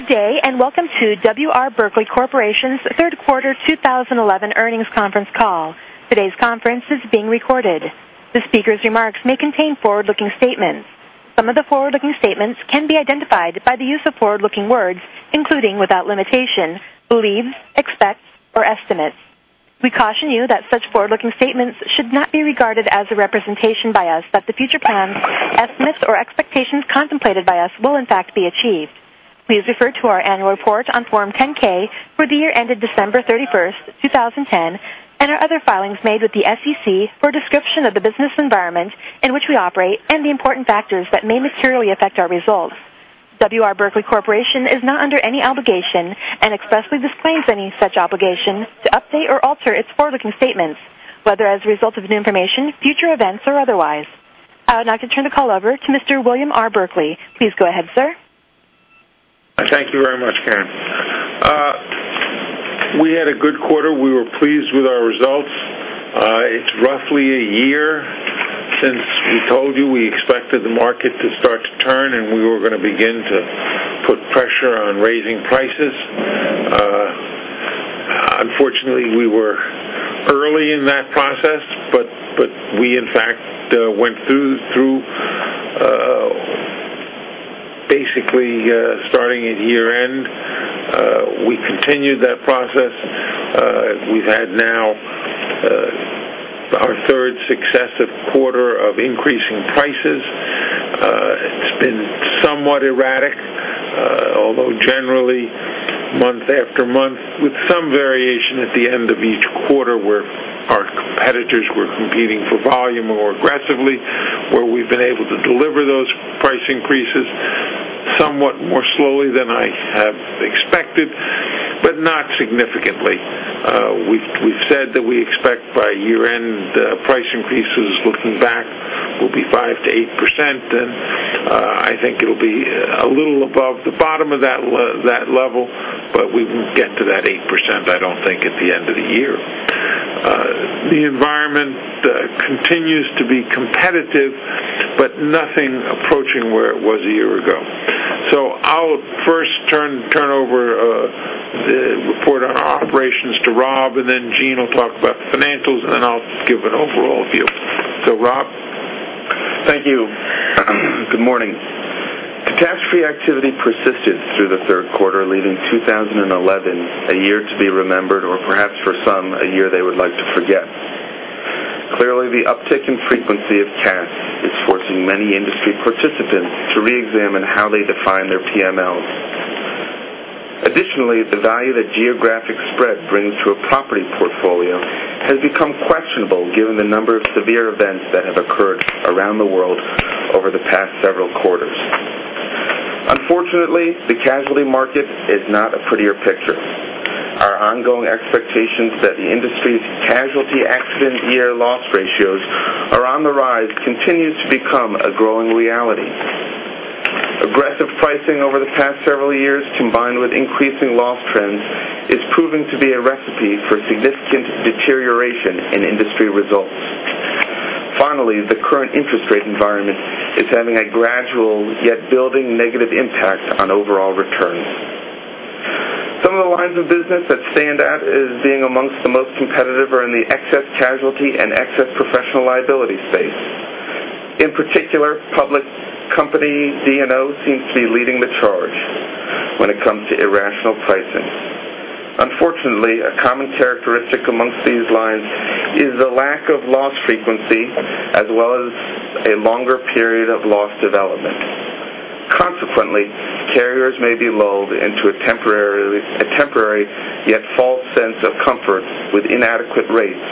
Good day, welcome to W. R. Berkley Corporation's third quarter 2011 earnings conference call. Today's conference is being recorded. The speaker's remarks may contain forward-looking statements. Some of the forward-looking statements can be identified by the use of forward-looking words, including, without limitation, believes, expects or estimates. We caution you that such forward-looking statements should not be regarded as a representation by us that the future plans, estimates, or expectations contemplated by us will in fact be achieved. Please refer to our annual report on Form 10-K for the year ended December 31st, 2010, our other filings made with the SEC for a description of the business environment in which we operate and the important factors that may materially affect our results. W. R. Berkley Corporation is not under any obligation expressly disclaims any such obligation to update or alter its forward-looking statements, whether as a result of new information, future events, or otherwise. I would now like to turn the call over to Mr. William R. Berkley. Please go ahead, sir. Thank you very much, Karen. We had a good quarter. We were pleased with our results. It's roughly a year since we told you we expected the market to start to turn, we were going to begin to put pressure on raising prices. Unfortunately, we were early in that process, we, in fact, went through basically starting at year-end. We continued that process. We've had now our third successive quarter of increasing prices. It's been somewhat erratic, although generally month after month, with some variation at the end of each quarter where our competitors were competing for volume more aggressively, where we've been able to deliver those price increases somewhat more slowly than I have expected, but not significantly. We've said that we expect by year-end price increases, looking back, will be 5%-8%, I think it'll be a little above the bottom of that level, we won't get to that 8%, I don't think, at the end of the year. The environment continues to be competitive, but nothing approaching where it was a year ago. I'll first turn over the report on our operations to Rob, then Gene will talk about the financials, then I'll give an overall view. Rob? Thank you. Good morning. Catastrophe activity persisted through the third quarter, leaving 2011 a year to be remembered, or perhaps for some, a year they would like to forget. Clearly, the uptick in frequency of cats is forcing many industry participants to reexamine how they define their PMLs. Additionally, the value that geographic spread brings to a property portfolio has become questionable given the number of severe events that have occurred around the world over the past several quarters. Unfortunately, the casualty market is not a prettier picture. Our ongoing expectations that the industry's casualty accident year loss ratios are on the rise continues to become a growing reality. Aggressive pricing over the past several years, combined with increasing loss trends, is proving to be a recipe for significant deterioration in industry results. Finally, the current interest rate environment is having a gradual, yet building negative impact on overall returns. Some of the lines of business that stand out as being amongst the most competitive are in the excess casualty and excess professional liability space. In particular, public company D&O seems to be leading the charge when it comes to irrational pricing. Unfortunately, a common characteristic amongst these lines is the lack of loss frequency, as well as a longer period of loss development. Consequently, carriers may be lulled into a temporary, yet false sense of comfort with inadequate rates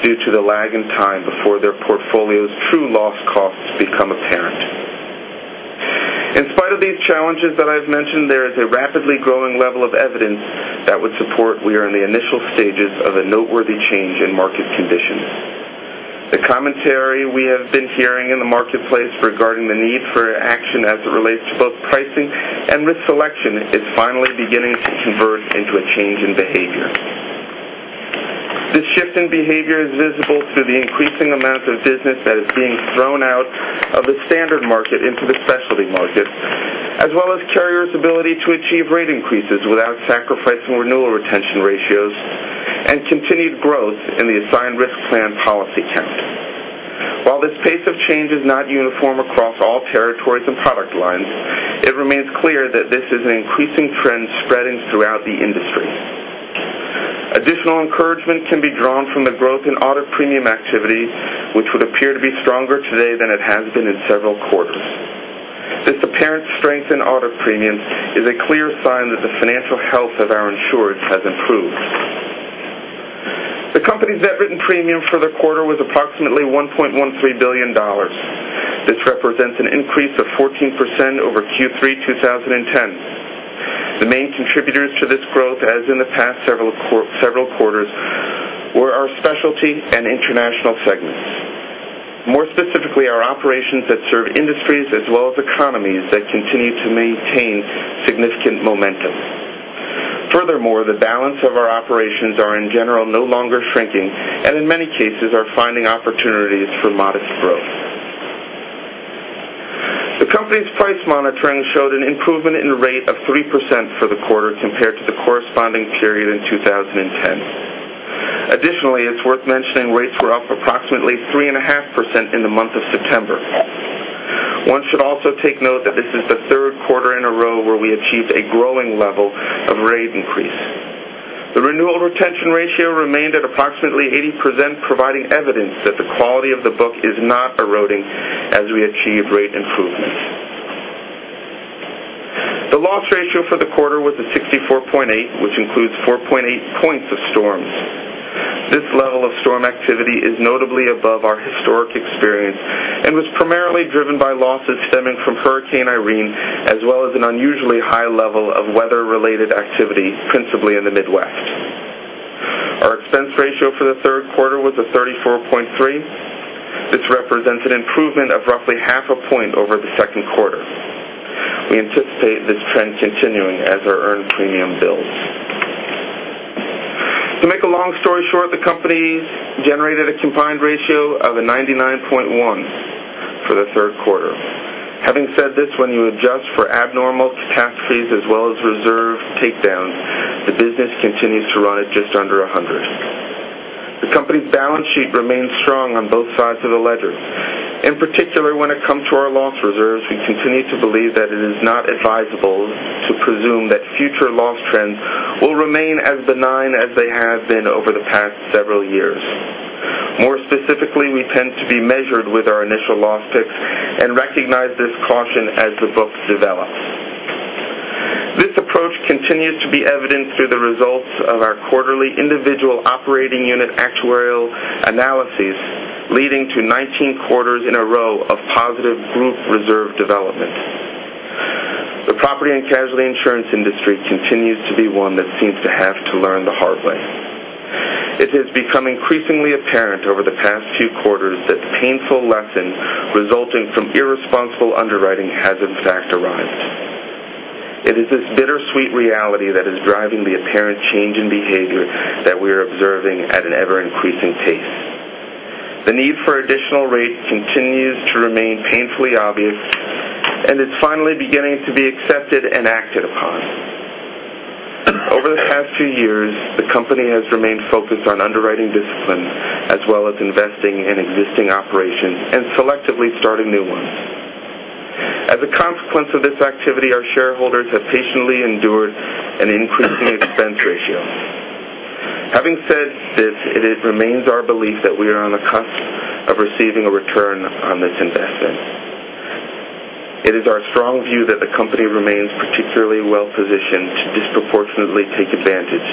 due to the lag in time before their portfolio's true loss costs become apparent. In spite of these challenges that I've mentioned, there is a rapidly growing level of evidence that would support we are in the initial stages of a noteworthy change in market conditions. The commentary we have been hearing in the marketplace regarding the need for action as it relates to both pricing and risk selection is finally beginning to convert into a change in behavior. This shift in behavior is visible through the increasing amount of business that is being thrown out of the standard market into the specialty market, as well as carriers' ability to achieve rate increases without sacrificing renewal retention ratios and continued growth in the assigned risk plan policy count. While this pace of change is not uniform across all territories and product lines, it remains clear that this is an increasing trend spreading throughout the industry. Additional encouragement can be drawn from the growth in auto premium activity, which would appear to be stronger today than it has been in several quarters. This apparent strength in auto premium is a clear sign that the financial health of our insureds has improved. The company's net written premium for the quarter was approximately $1.13 billion. This represents an increase of 14% over Q3 2010. The main contributors to this growth, as in the past several quarters, were our specialty and international segments. More specifically, our operations that serve industries as well as economies that continue to maintain significant momentum. Furthermore, the balance of our operations are in general no longer shrinking, and in many cases are finding opportunities for modest growth. The company's price monitoring showed an improvement in rate of 3% for the quarter compared to the corresponding period in 2010. Additionally, it's worth mentioning rates were up approximately 3.5% in the month of September. One should also take note that this is the third quarter in a row where we achieved a growing level of rate increase. The renewal retention ratio remained at approximately 80%, providing evidence that the quality of the book is not eroding as we achieve rate improvements. The loss ratio for the quarter was a 64.8, which includes 4.8 points of storms. This level of storm activity is notably above our historic experience and was primarily driven by losses stemming from Hurricane Irene, as well as an unusually high level of weather-related activity, principally in the Midwest. Our expense ratio for the third quarter was a 34.3. This represents an improvement of roughly half a point over the second quarter. We anticipate this trend continuing as our earned premium builds. To make a long story short, the company generated a combined ratio of a 99.1 for the third quarter. Having said this, when you adjust for abnormal catastrophe as well as reserve takedown, the business continues to run at just under 100. The company's balance sheet remains strong on both sides of the ledger. In particular, when it comes to our loss reserves, we continue to believe that it is not advisable to presume that future loss trends will remain as benign as they have been over the past several years. More specifically, we tend to be measured with our initial loss picks and recognize this caution as the book develops. This approach continues to be evident through the results of our quarterly individual operating unit actuarial analyses, leading to 19 quarters in a row of positive group reserve development. The property and casualty insurance industry continues to be one that seems to have to learn the hard way. It has become increasingly apparent over the past few quarters that the painful lesson resulting from irresponsible underwriting has in fact arrived. It is this bittersweet reality that is driving the apparent change in behavior that we're observing at an ever-increasing pace. The need for additional rate continues to remain painfully obvious and is finally beginning to be accepted and acted upon. Over the past few years, the company has remained focused on underwriting discipline, as well as investing in existing operations and selectively starting new ones. As a consequence of this activity, our shareholders have patiently endured an increasing expense ratio. Having said this, it remains our belief that we are on the cusp of receiving a return on this investment. It is our strong view that the company remains particularly well positioned to disproportionately take advantage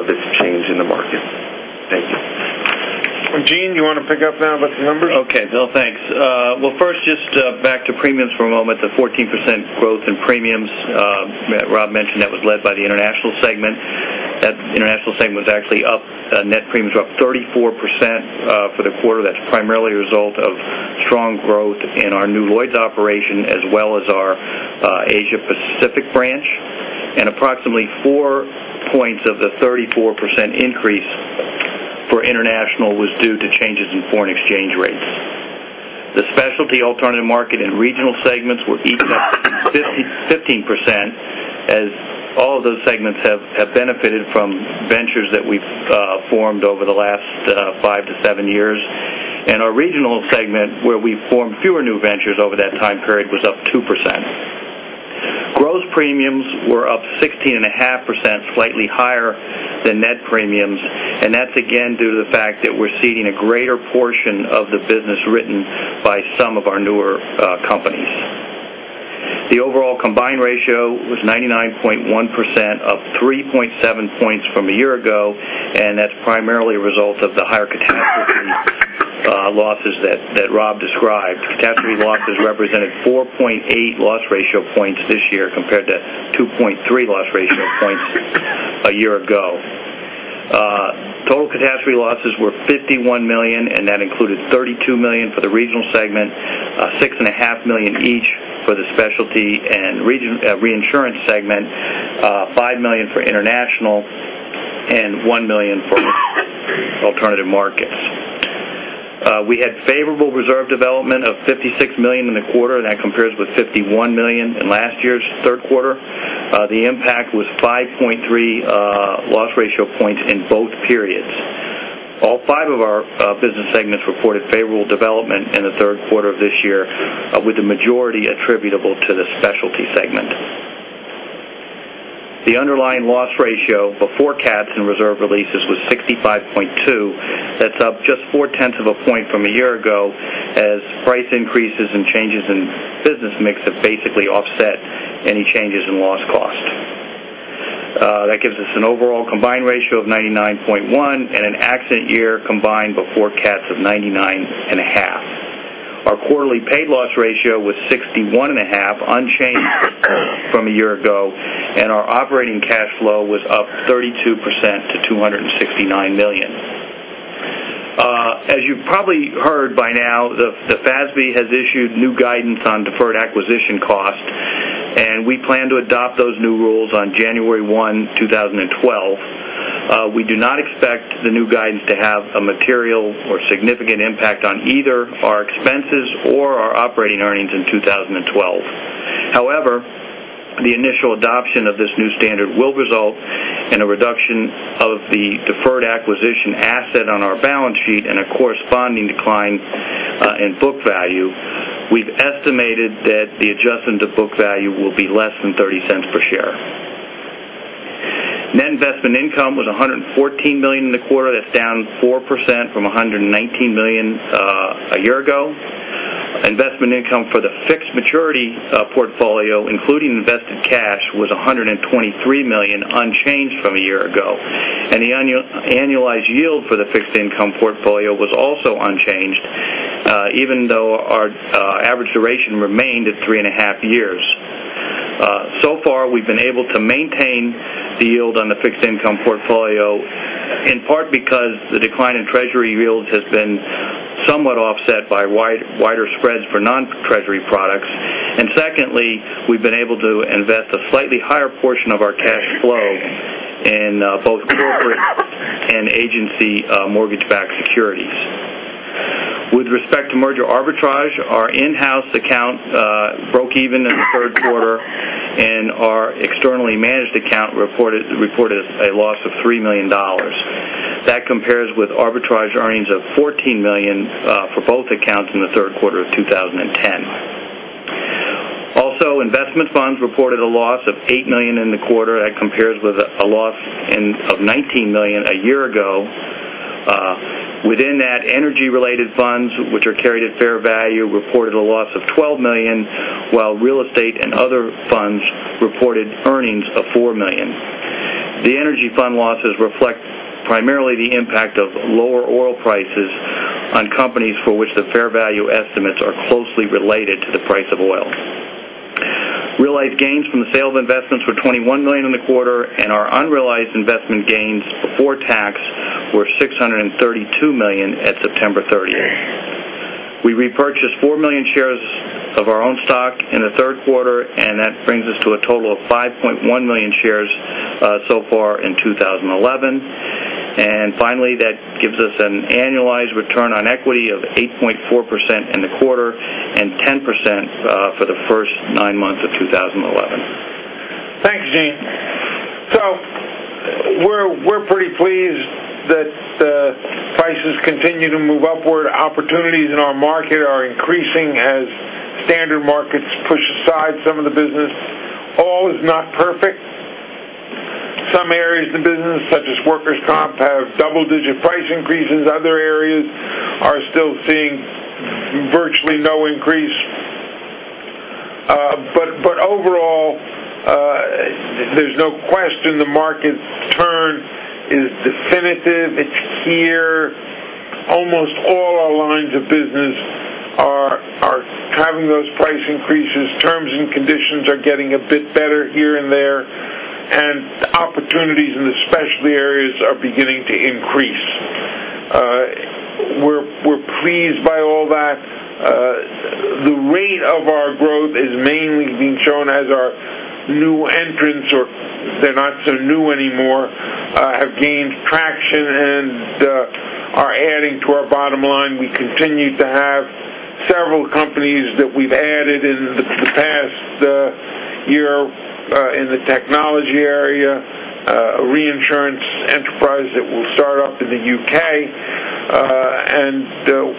of this change in the market. Thank you. Gene, you want to pick up now with the numbers? Okay, Bill. Thanks. Well, first, just back to premiums for a moment. The 14% growth in premiums that Rob mentioned, that was led by the international segment. That international segment was actually up, net premiums were up 34% for the quarter. That's primarily a result of strong growth in our new Lloyd's operation, as well as our Asia Pacific branch. Approximately four points of the 34% increase for international was due to changes in foreign exchange rates. The specialty alternative market and regional segments were each up 15%, as all of those segments have benefited from ventures that we've formed over the last five to seven years. Our regional segment, where we formed fewer new ventures over that time period, was up 2%. Gross premiums were up 16.5%, slightly higher than net premiums, and that's again due to the fact that we're ceding a greater portion of the business written by some of our newer companies. The overall combined ratio was 99.1%, up 3.7 points from a year ago, and that's primarily a result of the higher catastrophe losses that Rob described. Catastrophe losses represented 4.8 loss ratio points this year compared to 2.3 loss ratio points a year ago. Total catastrophe losses were $51 million, and that included $32 million for the regional segment, $6.5 million each for the specialty and reinsurance segment, $5 million for international, and $1 million for alternative markets. We had favorable reserve development of $56 million in the quarter, and that compares with $51 million in last year's third quarter. The impact was 5.3 loss ratio points in both periods. All five of our business segments reported favorable development in the third quarter of this year, with the majority attributable to the specialty segment. The underlying loss ratio before cats and reserve releases was 65.2. That's up just four tenths of a point from a year ago, as price increases and changes in business mix have basically offset any changes in loss cost. That gives us an overall combined ratio of 99.1 and an accident year combined before cats of 99.5. Our quarterly paid loss ratio was 61.5, unchanged from a year ago, and our operating cash flow was up 32% to $269 million. You've probably heard by now that the FASB has issued new guidance on deferred acquisition costs, and we plan to adopt those new rules on January 1, 2012. We do not expect the new guidance to have a material or significant impact on either our expenses or our operating earnings in 2012. However, the initial adoption of this new standard will result in a reduction of the deferred acquisition asset on our balance sheet and a corresponding decline in book value. We've estimated that the adjustment to book value will be less than $0.30 per share. Net investment income was $114 million in the quarter. That's down 4% from $119 million a year ago. Investment income for the fixed maturity portfolio, including invested cash, was $123 million, unchanged from a year ago. The annualized yield for the fixed income portfolio was also unchanged, even though our average duration remained at three and a half years. Far, we've been able to maintain the yield on the fixed income portfolio, in part because the decline in Treasury yields has been somewhat offset by wider spreads for non-Treasury products. Secondly, we've been able to invest a slightly higher portion of our cash flow in both corporate and agency mortgage-backed securities. With respect to merger arbitrage, our in-house account broke even in the third quarter, and our externally managed account reported a loss of $3 million. That compares with arbitrage earnings of $14 million for both accounts in the third quarter of 2010. Investment funds reported a loss of $8 million in the quarter. That compares with a loss of $19 million a year ago. Within that, energy related funds, which are carried at fair value, reported a loss of $12 million, while real estate and other funds reported earnings of $4 million. The energy fund losses reflect primarily the impact of lower oil prices on companies for which the fair value estimates are closely related to the price of oil. Realized gains from the sale of investments were $21 million in the quarter, and our unrealized investment gains before tax were $632 million at September 30th. We repurchased 4 million shares of our own stock in the third quarter, and that brings us to a total of 5.1 million shares so far in 2011. Finally, that gives us an annualized return on equity of 8.4% in the quarter and 10% for the first nine months of 2011. Thanks, Gene. We're pretty pleased that the prices continue to move upward. Opportunities in our market are increasing as standard markets push aside some of the business. All is not perfect. Some areas of the business, such as workers' comp, have double-digit price increases. Other areas are still seeing virtually no increase. Overall, there's no question the market turn is definitive. It's here. Almost all our lines of business are having those price increases. Terms and conditions are getting a bit better here and there, opportunities in the specialty areas are beginning to increase. We're pleased by all that. The rate of our growth is mainly being shown as our new entrants, or they're not so new anymore, have gained traction and are adding to our bottom line. We continue to have several companies that we've added in the past year in the technology area, a reinsurance enterprise that will start up in the U.K., and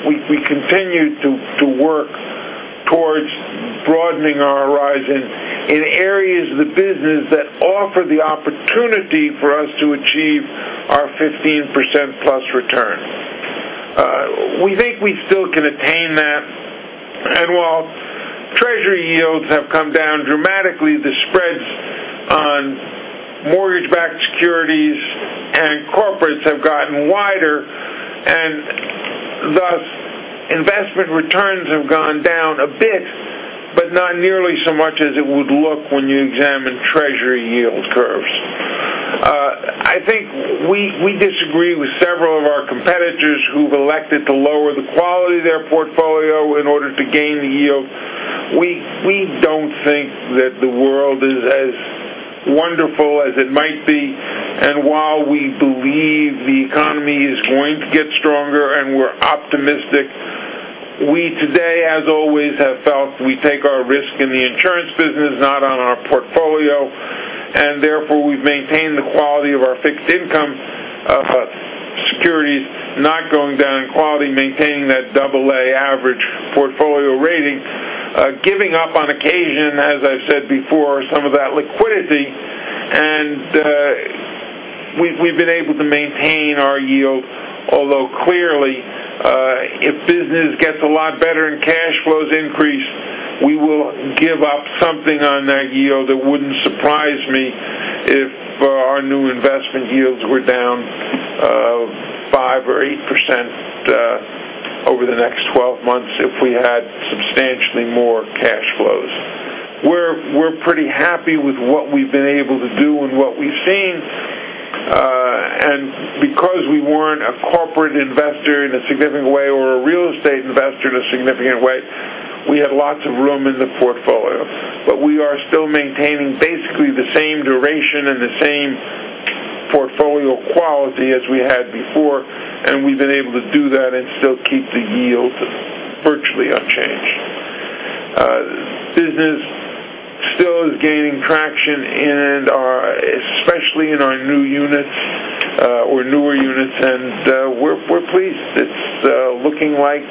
we continue to work towards broadening our horizon in areas of the business that offer the opportunity for us to achieve our 15% plus return. We think we still can attain that. While Treasury yields have come down dramatically, the spreads on mortgage-backed securities and corporates have gotten wider, and thus investment returns have gone down a bit, but not nearly so much as it would look when you examine Treasury yield curves. I think we disagree with several of our competitors who've elected to lower the quality of their portfolio in order to gain the yield. We don't think that the world is as wonderful as it might be. While we believe the economy is going to get stronger and we're optimistic, we today, as always, have felt we take our risk in the insurance business, not on our portfolio. Therefore, we've maintained the quality of our fixed income securities, not going down in quality, maintaining that AA average portfolio rating giving up on occasion, as I've said before, some of that liquidity. We've been able to maintain our yield, although clearly, if business gets a lot better and cash flows increase, we will give up something on that yield. It wouldn't surprise me if our new investment yields were down 5% or 8% over the next 12 months if we had. Because we weren't a corporate investor in a significant way, or a real estate investor in a significant way, we had lots of room in the portfolio. We are still maintaining basically the same duration and the same portfolio quality as we had before, and we've been able to do that and still keep the yield virtually unchanged. Business still is gaining traction, and especially in our new units, or newer units, and we're pleased. It's looking like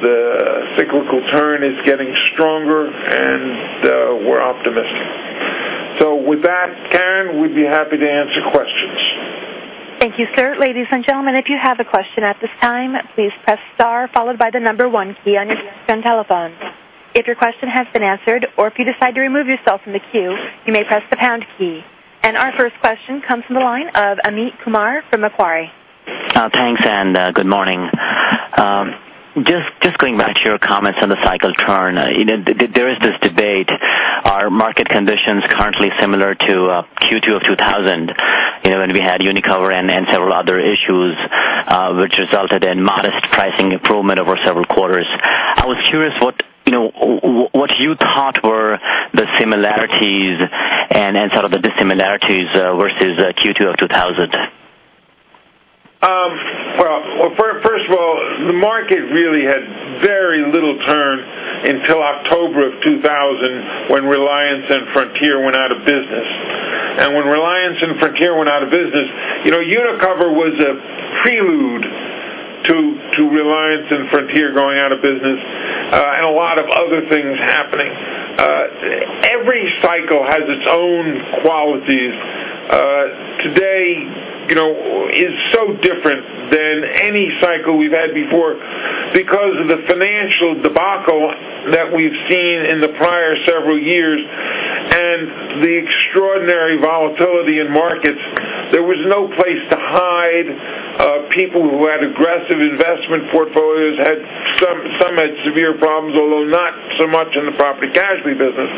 the cyclical turn is getting stronger, and we're optimistic. With that, Karen, we'd be happy to answer questions. Thank you, sir. Ladies and gentlemen, if you have a question at this time, please press star followed by the number 1 key on your telephone. If your question has been answered or if you decide to remove yourself from the queue, you may press the pound key. Our first question comes from the line of Amit Kumar from Macquarie. Thanks, and good morning. Just going back to your comments on the cycle turn, there is this debate. Are market conditions currently similar to Q2 2000 when we had Unicover and several other issues, which resulted in modest pricing improvement over several quarters? I was curious what you thought were the similarities and sort of the dissimilarities versus Q2 2000. Well, first of all, the market really had very little turn until October of 2000, when Reliance and Frontier went out of business. When Reliance and Frontier went out of business, Unicover was a prelude to Reliance and Frontier going out of business, and a lot of other things happening. Every cycle has its own qualities. Today is so different than any cycle we've had before because of the financial debacle that we've seen in the prior several years and the extraordinary volatility in markets. There was no place to hide. People who had aggressive investment portfolios, some had severe problems, although not so much in the property casualty business.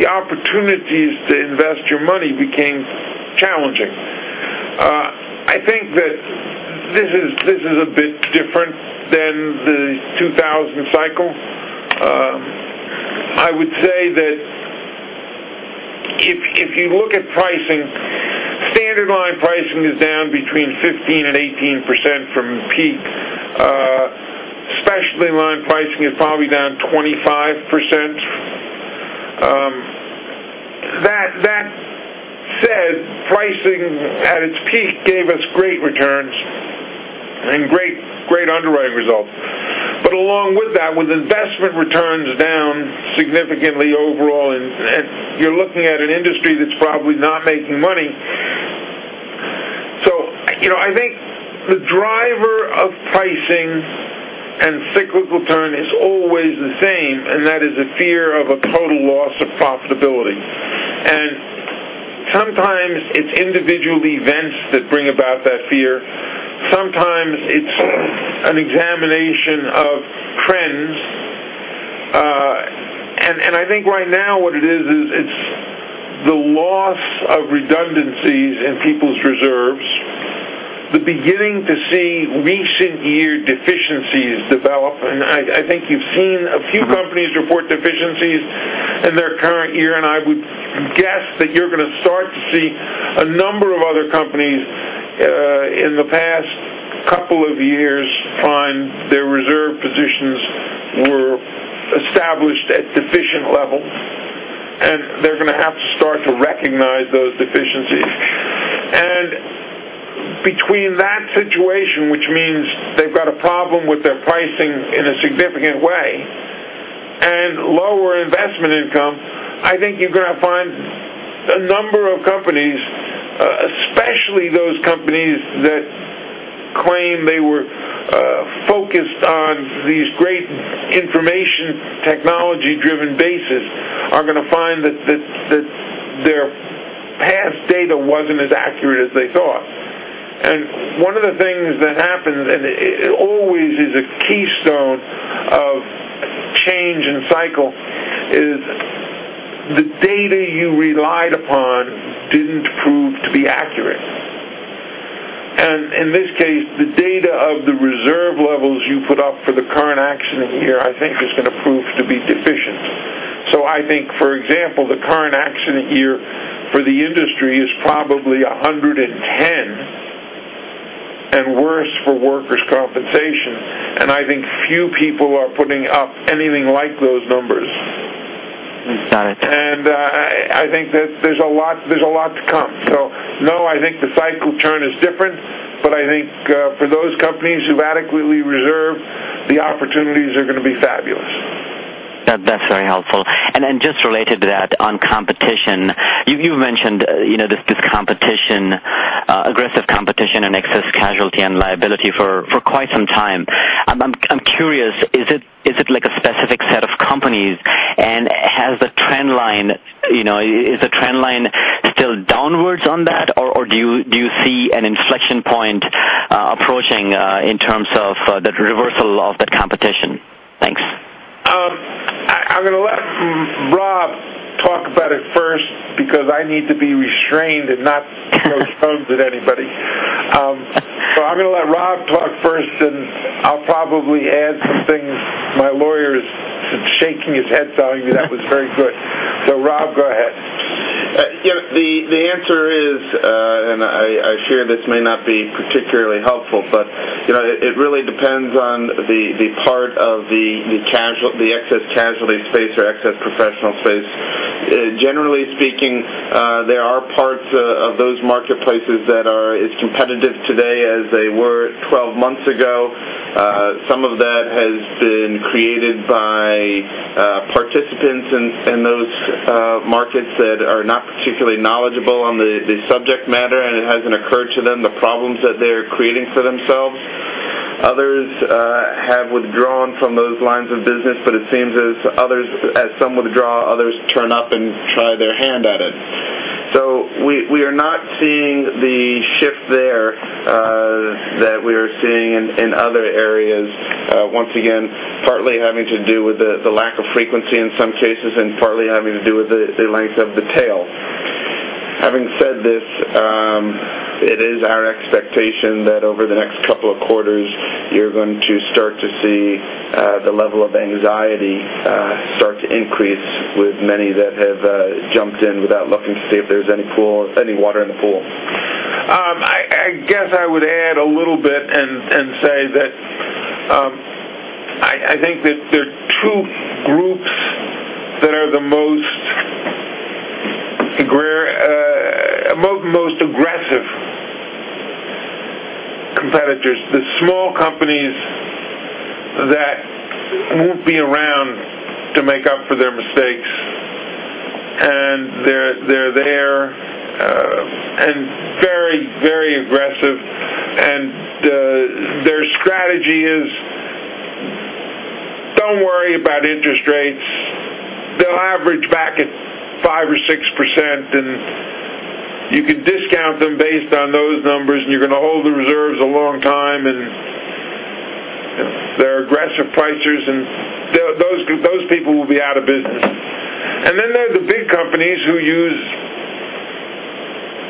The opportunities to invest your money became challenging. I think that this is a bit different than the 2000 cycle. I would say that if you look at pricing, standard line pricing is down between 15% and 18% from peak. Specialty line pricing is probably down 25%. That said, pricing at its peak gave us great returns and great underwriting results. Along with that, with investment returns down significantly overall, and you're looking at an industry that's probably not making money. I think the driver of pricing and cyclical turn is always the same, and that is a fear of a total loss of profitability. Sometimes it's individual events that bring about that fear. Sometimes it's an examination of trends. I think right now what it is, it's the loss of redundancies in people's reserves, the beginning to see recent year deficiencies develop, and I think you've seen a few companies report deficiencies in their current year, and I would guess that you're going to start to see a number of other companies in the past couple of years find their reserve positions were established at deficient levels, and they're going to have to start to recognize those deficiencies. Between that situation, which means they've got a problem with their pricing in a significant way, and lower investment income, I think you're going to find a number of companies, especially those companies that claim they were focused on these great information technology driven basis, are going to find that their past data wasn't as accurate as they thought. One of the things that happens, and it always is a keystone of change in cycle, is the data you relied upon didn't prove to be accurate. In this case, the data of the reserve levels you put up for the current accident year, I think, is going to prove to be deficient. I think, for example, the current accident year for the industry is probably 110, and worse for workers' compensation. I think few people are putting up anything like those numbers. Got it. I think that there's a lot to come. No, I think the cycle turn is different, but I think for those companies who've adequately reserved, the opportunities are going to be fabulous. That's very helpful. Just related to that, on competition, you mentioned this competition, aggressive competition in excess casualty and liability for quite some time. I'm curious, is it like a specific set of companies, is the trend line still downwards on that, or do you see an inflection point approaching in terms of that reversal? Rob talk about it first because I need to be restrained and not throw stones at anybody. I'm going to let Rob talk first, and I'll probably add some things. My lawyer is shaking his head, telling me that was very good. Rob, go ahead. The answer is, I share this may not be particularly helpful, but it really depends on the part of the excess casualty space or excess professional space. Generally speaking, there are parts of those marketplaces that are as competitive today as they were 12 months ago. Some of that has been created by participants in those markets that are not particularly knowledgeable on the subject matter, and it hasn't occurred to them the problems that they're creating for themselves. Others have withdrawn from those lines of business, but it seems as some withdraw, others turn up and try their hand at it. We are not seeing the shift there that we are seeing in other areas. Once again, partly having to do with the lack of frequency in some cases and partly having to do with the length of the tail. Having said this, it is our expectation that over the next couple of quarters, you're going to start to see the level of anxiety start to increase with many that have jumped in without looking to see if there's any water in the pool. I guess I would add a little bit and say that I think that there are two groups that are the most aggressive competitors. The small companies that won't be around to make up for their mistakes. They're there and very aggressive. Their strategy is, don't worry about interest rates. They'll average back at 5% or 6%, and you can discount them based on those numbers, and you're going to hold the reserves a long time. They're aggressive pricers. Those people will be out of business. Then there are the big companies who use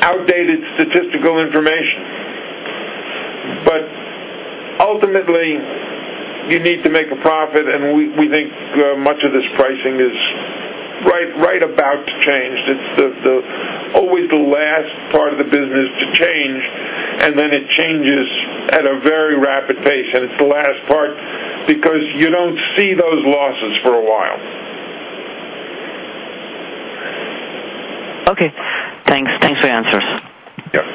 outdated statistical information. Ultimately, you need to make a profit, and we think much of this pricing is right about to change. It's always the last part of the business to change. Then it changes at a very rapid pace. It's the last part because you don't see those losses for a while. Okay, thanks. Thanks for the answers. Yes.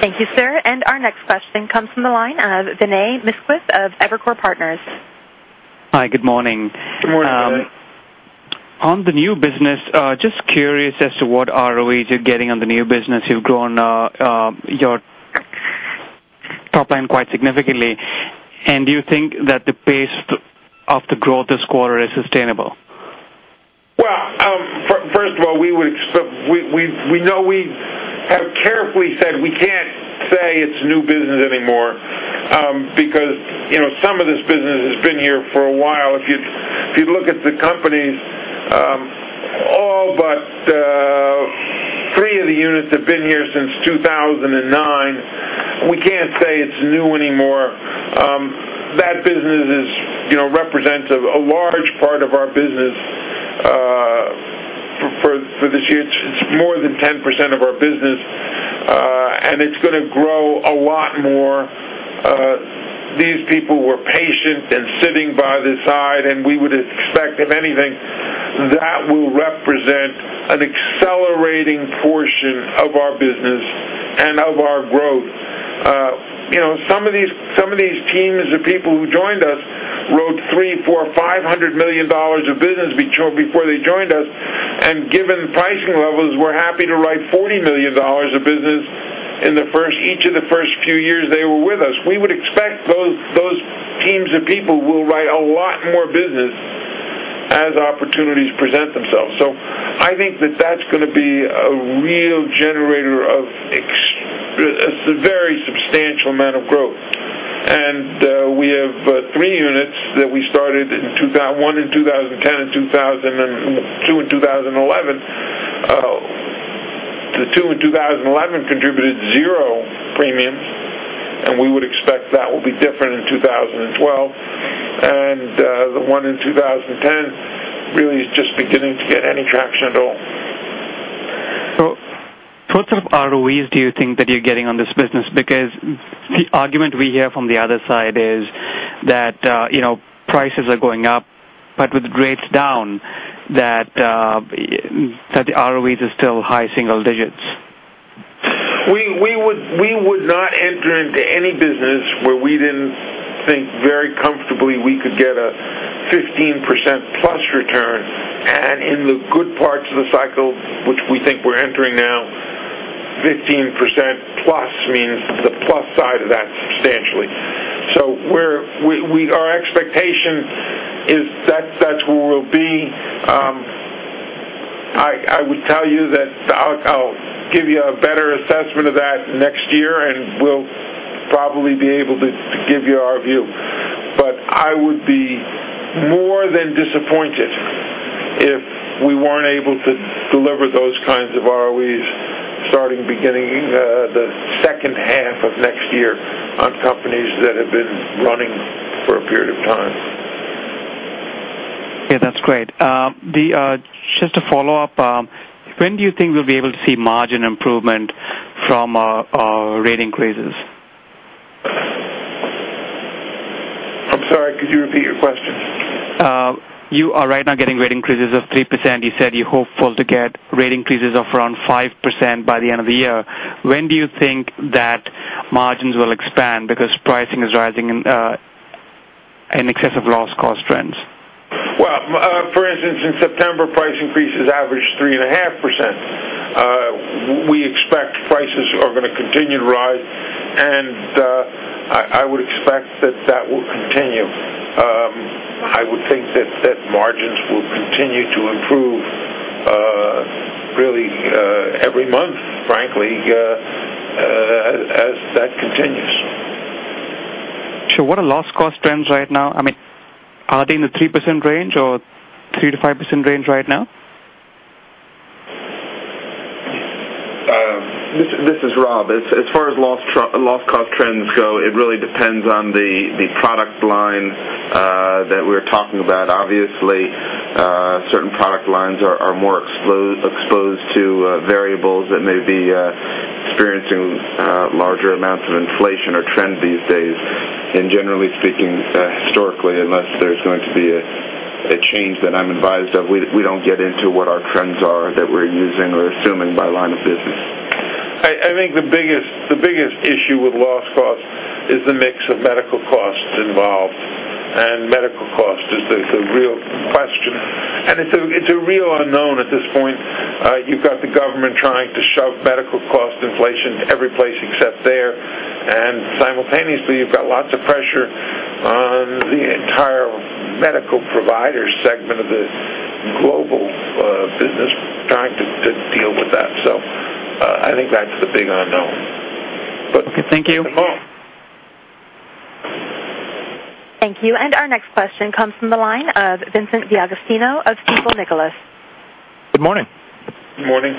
Thank you, sir. Our next question comes from the line of Vinay Misquith of Evercore Partners. Hi, good morning. Good morning, Vinay. On the new business, just curious as to what ROE you're getting on the new business. You've grown your top line quite significantly. Do you think that the pace of the growth this quarter is sustainable? Well, first of all, we know we have carefully said we can't say it's new business anymore because some of this business has been here for a while. If you look at the company, all but three of the units have been here since 2009. We can't say it's new anymore. That business represents a large part of our business for this year. It's more than 10% of our business. It's going to grow a lot more. These people were patient and sitting by the side. We would expect, if anything, that will represent an accelerating portion of our business and of our growth. Some of these teams of people who joined us wrote $300 million, $400 million, $500 million of business before they joined us. Given pricing levels, we're happy to write $40 million of business in each of the first few years they were with us. We would expect those teams of people will write a lot more business as opportunities present themselves. I think that that's going to be a real generator of a very substantial amount of growth. We have three units that we started, one in 2010 and two in 2011. The two in 2011 contributed zero premiums. We would expect that will be different in 2012. The one in 2010 really is just beginning to get any traction at all. What sort of ROEs do you think that you're getting on this business? Because the argument we hear from the other side is that prices are going up, but with rates down, that the ROEs are still high single digits. We would not enter into any business where we didn't think very comfortably we could get a 15%-plus return. In the good parts of the cycle, which we think we're entering now, 15%-plus means the plus side of that substantially. Our expectation is that's where we'll be. I would tell you that I'll give you a better assessment of that next year, and we'll probably be able to give you our view. I would be more than disappointed if we weren't able to deliver those kinds of ROEs starting, beginning the second half of next year on companies that have been running for a period of time. Yeah, that's great. Just a follow-up, when do you think we'll be able to see margin improvement from rate increases? I'm sorry, could you repeat your question? You are right now getting rate increases of 3%. You said you're hopeful to get rate increases of around 5% by the end of the year. When do you think that margins will expand because pricing is rising in excess of loss cost trends? Well, for instance, in September, price increases averaged 3.5%. We expect prices are going to continue to rise, I would expect that that will continue. I would think that margins will continue to improve, really, every month, frankly, as that continues. Sure. What are loss cost trends right now? Are they in the 3% range or 3%-5% range right now? This is Rob. As far as loss cost trends go, it really depends on the product line that we're talking about. Obviously, certain product lines are more exposed to variables that may be experiencing larger amounts of inflation or trend these days. Generally speaking, historically, unless there's going to be a change that I'm advised of, we don't get into what our trends are that we're using or assuming by line of business. I think the biggest issue with loss cost is the mix of medical costs involved, medical cost is the real question. It's a real unknown at this point. You've got the government trying to shove medical cost inflation every place except there, simultaneously, you've got lots of pressure on the entire medical provider segment of the global business trying to deal with that. I think that's the big unknown. Okay. Thank you. Welcome. Thank you. Our next question comes from the line of Vincent D'Agostino of Stifel Nicolaus. Good morning. Good morning.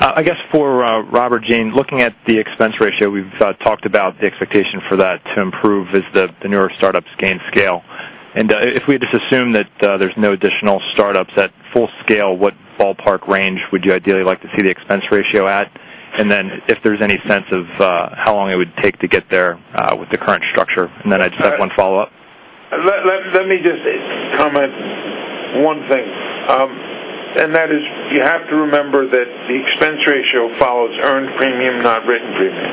I guess for Robert Berkley, Jr., looking at the expense ratio, we've talked about the expectation for that to improve as the newer startups gain scale. If we just assume that there's no additional startups at full scale, what ballpark range would you ideally like to see the expense ratio at? If there's any sense of how long it would take to get there with the current structure, I just have one follow-up. Let me just comment one thing. That is, you have to remember that the expense ratio follows earned premium, not written premium.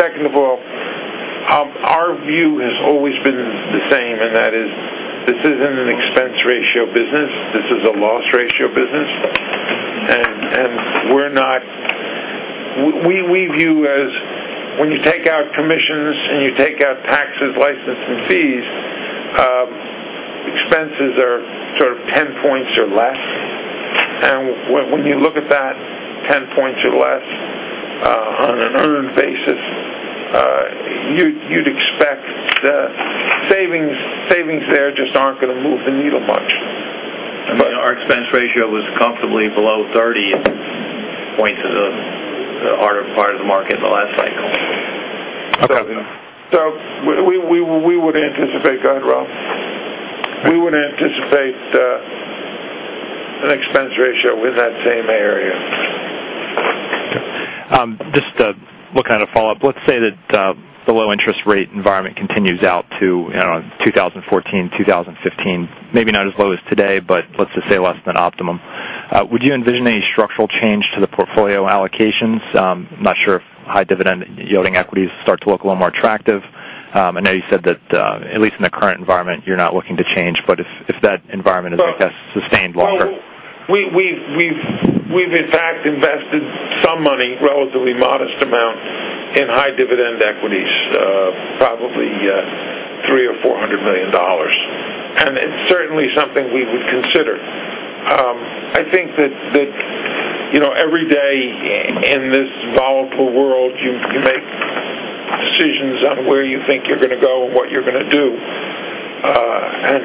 Second of all, our view has always been the same, that is, this isn't an expense ratio business. This is a loss ratio business. We view as when you take out commissions and you take out taxes, license, and fees, expenses are sort of 10 points or less. When you look at that 10 points or less on an earned basis, you'd expect the savings there just aren't going to move the needle much. Our expense ratio was comfortably below 30 points of the harder part of the market in the last cycle. Okay. We would anticipate Go ahead, Rob. We would anticipate an expense ratio in that same area. Just to look on a follow-up. Let's say that the low interest rate environment continues out to 2014, 2015, maybe not as low as today, but let's just say less than optimum. Would you envision any structural change to the portfolio allocations? I'm not sure if high dividend yielding equities start to look a little more attractive. I know you said that at least in the current environment, you're not looking to change, but if that environment is, I guess, sustained longer. We've in fact invested some money, relatively modest amount, in high dividend equities, probably $300 million or $400 million. It's certainly something we would consider. I think that every day in this volatile world, you make decisions on where you think you're going to go and what you're going to do, and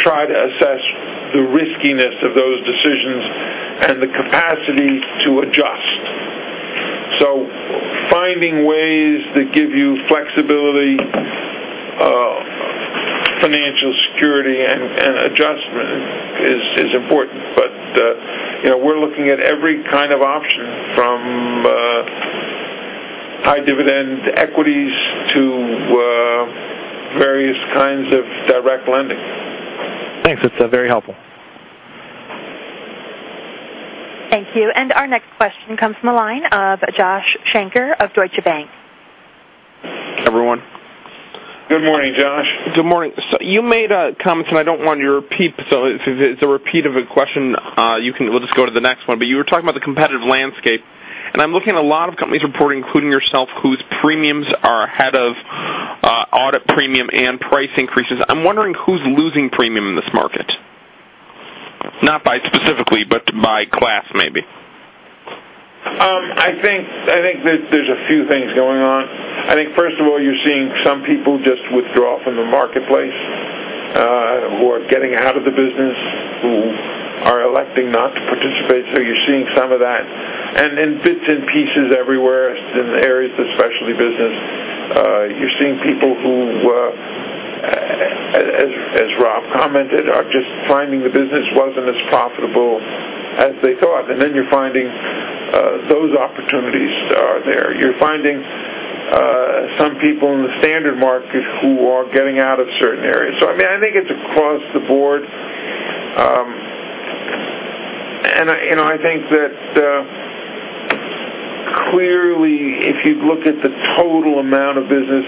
try to assess the riskiness of those decisions and the capacity to adjust. Finding ways that give you flexibility, financial security, and adjustment is important. We're looking at every kind of option from high dividend equities to various kinds of direct lending. Thanks. That's very helpful. Thank you. Our next question comes from the line of Joshua Shanker of Deutsche Bank. Everyone. Good morning, Josh. Good morning. You made comments, I don't want you to repeat, if it's a repeat of a question, we'll just go to the next one. You were talking about the competitive landscape, I'm looking at a lot of companies reporting, including yourself, whose premiums are ahead of Our premium and price increases. I'm wondering who's losing premium in this market. Not specifically, but by class, maybe. I think that there's a few things going on. I think first of all, you're seeing some people just withdraw from the marketplace, who are getting out of the business, who are electing not to participate. You're seeing some of that. In bits and pieces everywhere, in areas of specialty business, you're seeing people who, as Rob commented, are just finding the business wasn't as profitable as they thought. You're finding those opportunities are there. You're finding some people in the standard market who are getting out of certain areas. I think it's across the board. I think that clearly, if you look at the total amount of business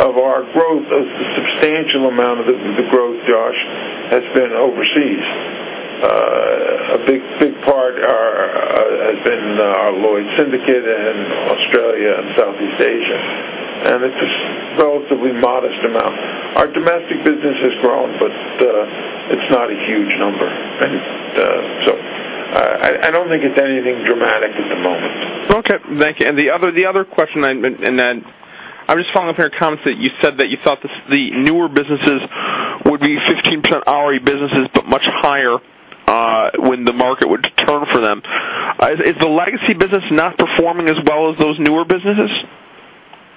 of our growth, a substantial amount of the growth, Josh, has been overseas. A big part has been our Lloyd's syndicate in Australia and Southeast Asia, it's a relatively modest amount. Our domestic business has grown, but it's not a huge number. I don't think it's anything dramatic at the moment. Okay, thank you. The other question, I'm just following up your comments that you said that you thought the newer businesses would be 15% ROE businesses, but much higher when the market would turn for them. Is the legacy business not performing as well as those newer businesses?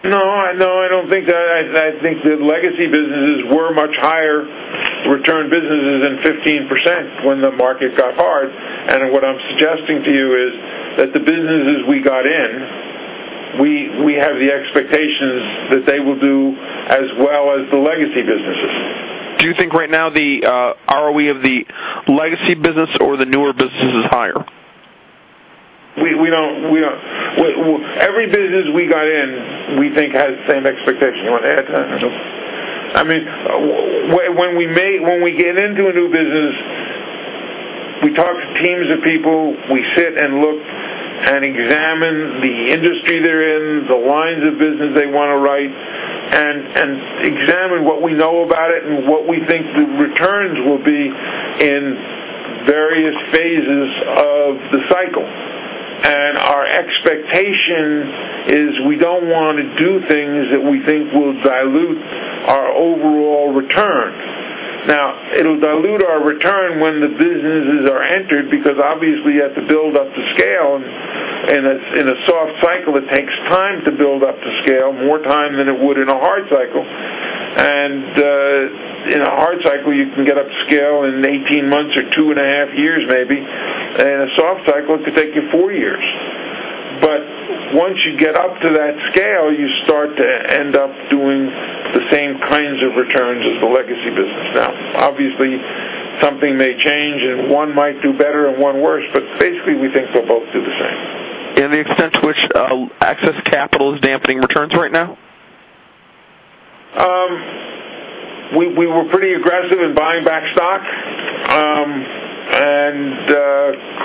No, I don't think that. I think the legacy businesses were much higher return businesses than 15% when the market got hard. What I'm suggesting to you is that the businesses we got in, we have the expectations that they will do as well as the legacy businesses. Do you think right now the ROE of the legacy business or the newer business is higher? Every business we got in, we think has the same expectation. You want to add to that or no? When we get into a new business, we talk to teams of people. We sit and look and examine the industry they're in, the lines of business they want to write, and examine what we know about it and what we think the returns will be in various phases of the cycle. Our expectation is we don't want to do things that we think will dilute our overall return. It'll dilute our return when the businesses are entered because obviously you have to build up to scale. In a soft cycle, it takes time to build up to scale, more time than it would in a hard cycle. In a hard cycle, you can get up to scale in 18 months or two and a half years, maybe. In a soft cycle, it could take you four years. Once you get up to that scale, you start to end up doing the same kinds of returns as the legacy business. Obviously, something may change, and one might do better and one worse, but basically, we think they'll both do the same. The extent to which excess capital is dampening returns right now? We were pretty aggressive in buying back stock.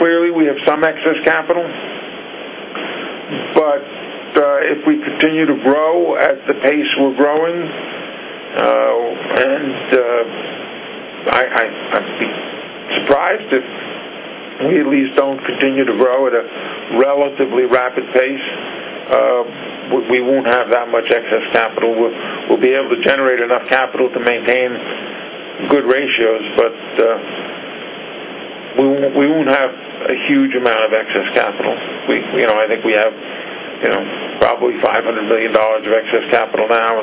Clearly, we have some excess capital. If we continue to grow at the pace we're growing, I'd be surprised if we at least don't continue to grow at a relatively rapid pace. We won't have that much excess capital. We'll be able to generate enough capital to maintain good ratios, but we won't have a huge amount of excess capital. I think we have probably $500 million of excess capital now.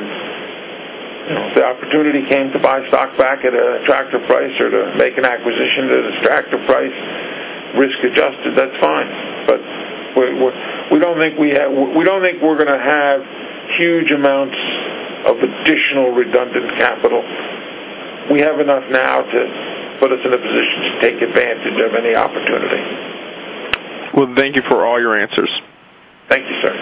If the opportunity came to buy stock back at an attractive price or to make an acquisition at an attractive price, risk-adjusted, that's fine. We don't think we're going to have huge amounts of additional redundant capital. We have enough now to put us in a position to take advantage of any opportunity. Well, thank you for all your answers. Thank you, sir.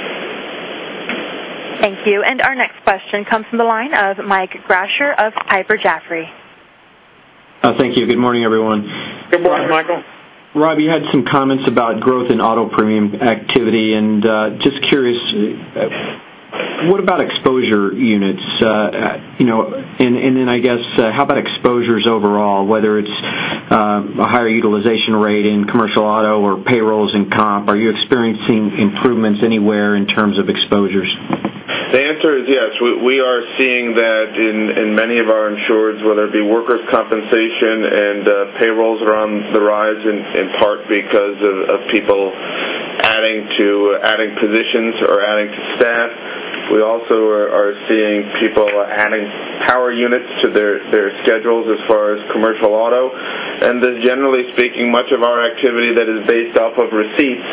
Thank you. Our next question comes from the line of Michael Grasher of Piper Jaffray. Thank you. Good morning, everyone. Good morning, Michael. Rob, you had some comments about growth in auto premium activity. Just curious, what about exposure units? Then I guess, how about exposures overall, whether it's a higher utilization rate in commercial auto or payrolls in comp? Are you experiencing improvements anywhere in terms of exposures? The answer is yes. We are seeing that in many of our insureds, whether it be workers' compensation and payrolls are on the rise, in part because of people adding positions or adding to staff. We also are seeing people adding power units to their schedules as far as commercial auto. Then generally speaking, much of our activity that is based off of receipts,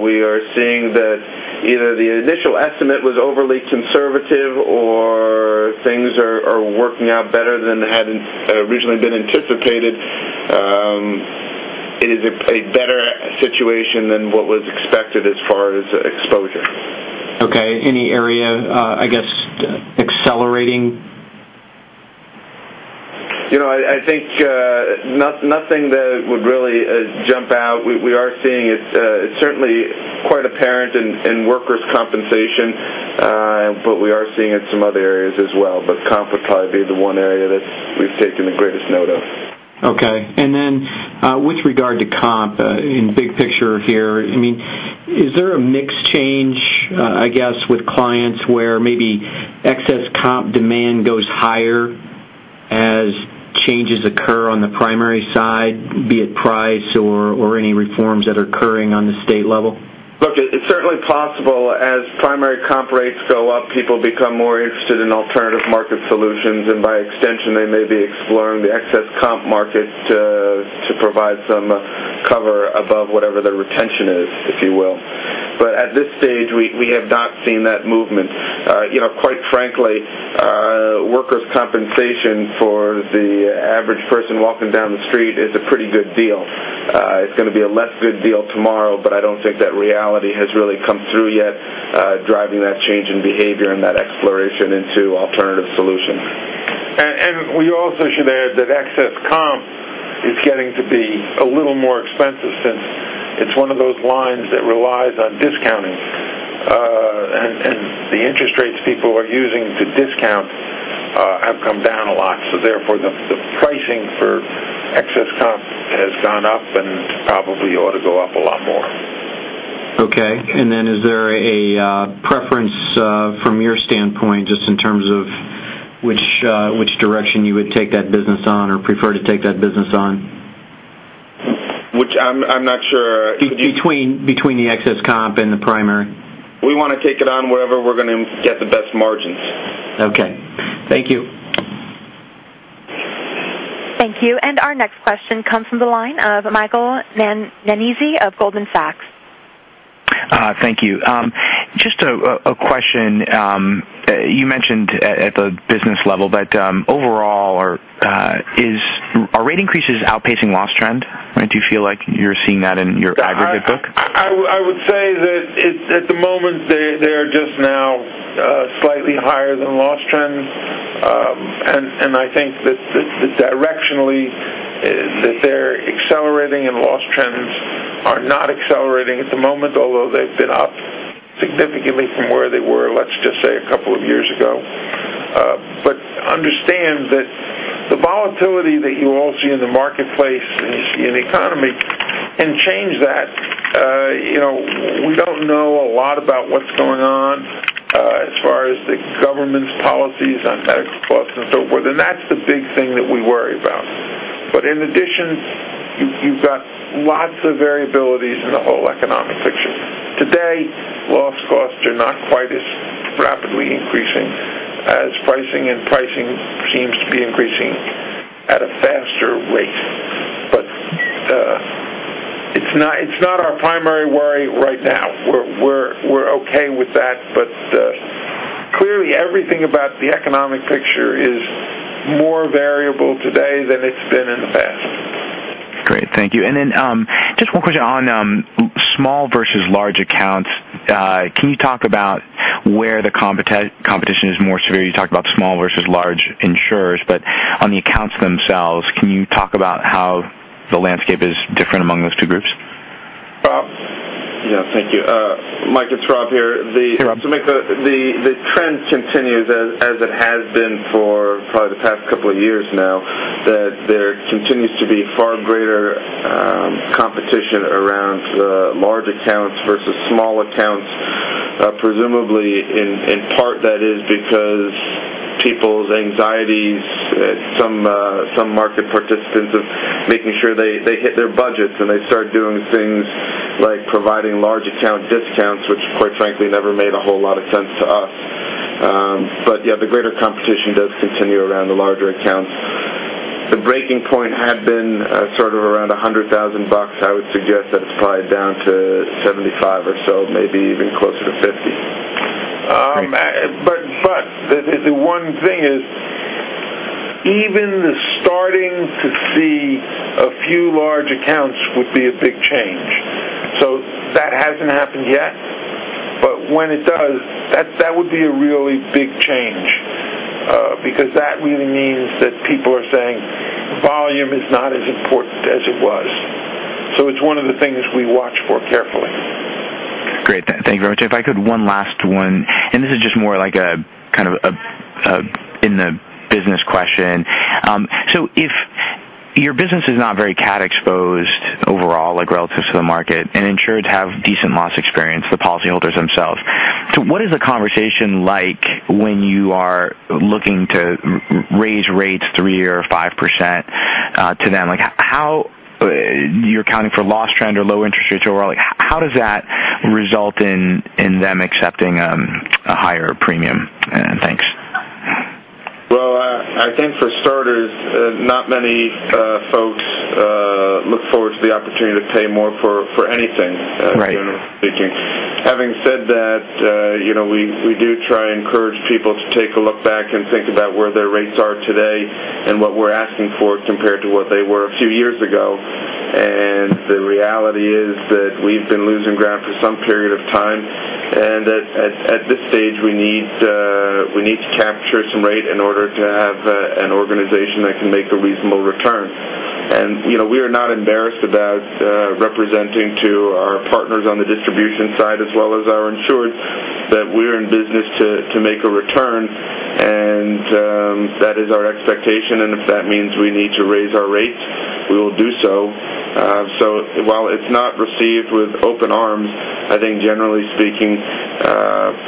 we are seeing that either the initial estimate was overly conservative or things are working out better than had originally been anticipated. It is a better situation than what was expected as far as exposure. Okay. Any area, I guess, accelerating? Quite apparent in workers' compensation, but we are seeing it in some other areas as well. Comp would probably be the one area that we've taken the greatest note of. Okay. With regard to comp, in big picture here, is there a mix change, I guess, with clients where maybe excess comp demand goes higher as changes occur on the primary side, be it price or any reforms that are occurring on the state level? Look, it's certainly possible as primary comp rates go up, people become more interested in alternative market solutions, and by extension, they may be exploring the excess comp market to provide some cover above whatever their retention is, if you will. At this stage, we have not seen that movement. Quite frankly, workers' compensation for the average person walking down the street is a pretty good deal. It's going to be a less good deal tomorrow, but I don't think that reality has really come through yet, driving that change in behavior and that exploration into alternative solutions. We also should add that excess comp is getting to be a little more expensive since it's one of those lines that relies on discounting. The interest rates people are using to discount have come down a lot. Therefore, the pricing for excess comp has gone up and probably ought to go up a lot more. Okay. Is there a preference from your standpoint, just in terms of which direction you would take that business on or prefer to take that business on? Which I'm not sure Between the excess comp and the primary. We want to take it on wherever we're going to get the best margins. Okay. Thank you. Thank you. Our next question comes from the line of Michael Nannizzi of Goldman Sachs. Thank you. Just a question. You mentioned at the business level, overall, are rate increases outpacing loss trend? Do you feel like you're seeing that in your aggregate book? I would say that at the moment, they're just now slightly higher than loss trend. I think that directionally, that they're accelerating and loss trends are not accelerating at the moment, although they've been up significantly from where they were, let's just say, a couple of years ago. Understand that the volatility that you all see in the marketplace and you see in the economy can change that. We don't know a lot about what's going on as far as the government's policies on Medigap Plus and so forth, and that's the big thing that we worry about. In addition, you've got lots of variabilities in the whole economic picture. Today, loss costs are not quite as rapidly increasing as pricing, and pricing seems to be increasing at a faster rate. It's not our primary worry right now. We're okay with that, clearly everything about the economic picture is more variable today than it's been in the past. Great. Thank you. Just one question on small versus large accounts. Can you talk about where the competition is more severe? You talked about small versus large insurers, but on the accounts themselves, can you talk about how the landscape is different among those two groups? Rob. Thank you. Mike, it's Rob here. Rob. To make the trend continue as it has been for probably the past couple of years now, that there continues to be far greater competition around large accounts versus small accounts. Presumably, in part, that is because people's anxieties, some market participants of making sure they hit their budgets and they start doing things like providing large account discounts, which quite frankly, never made a whole lot of sense to us. Yeah, the greater competition does continue around the larger accounts. The breaking point had been sort of around $100,000. I would suggest that it's probably down to $75 or so, maybe even closer to $50. The one thing is even starting to see a few large accounts would be a big change. That hasn't happened yet, but when it does, that would be a really big change because that really means that people are saying volume is not as important as it was. It's one of the things we watch for carefully. Great. Thank you very much. If I could, one last one, this is just more kind of in the business question. If your business is not very cat exposed overall, like relative to the market, and insureds have decent loss experience, the policyholders themselves. What is the conversation like when you are looking to raise rates 3% or 5% to them? You're accounting for loss trend or low interest rates overall, how does that result in them accepting a higher premium? Thanks. I think for starters, not many folks look forward to the opportunity to pay more for anything. Right generally speaking. Having said that, we do try and encourage people to take a look back and think about where their rates are today and what we're asking for compared to what they were a few years ago. The reality is that we've been losing ground for some period of time, and at this stage, we need to capture some rate in order to have an organization that can make the. We are not embarrassed about representing to our partners on the distribution side as well as our insured, that we are in business to make a return, and that is our expectation. If that means we need to raise our rates, we will do so. While it's not received with open arms, I think generally speaking,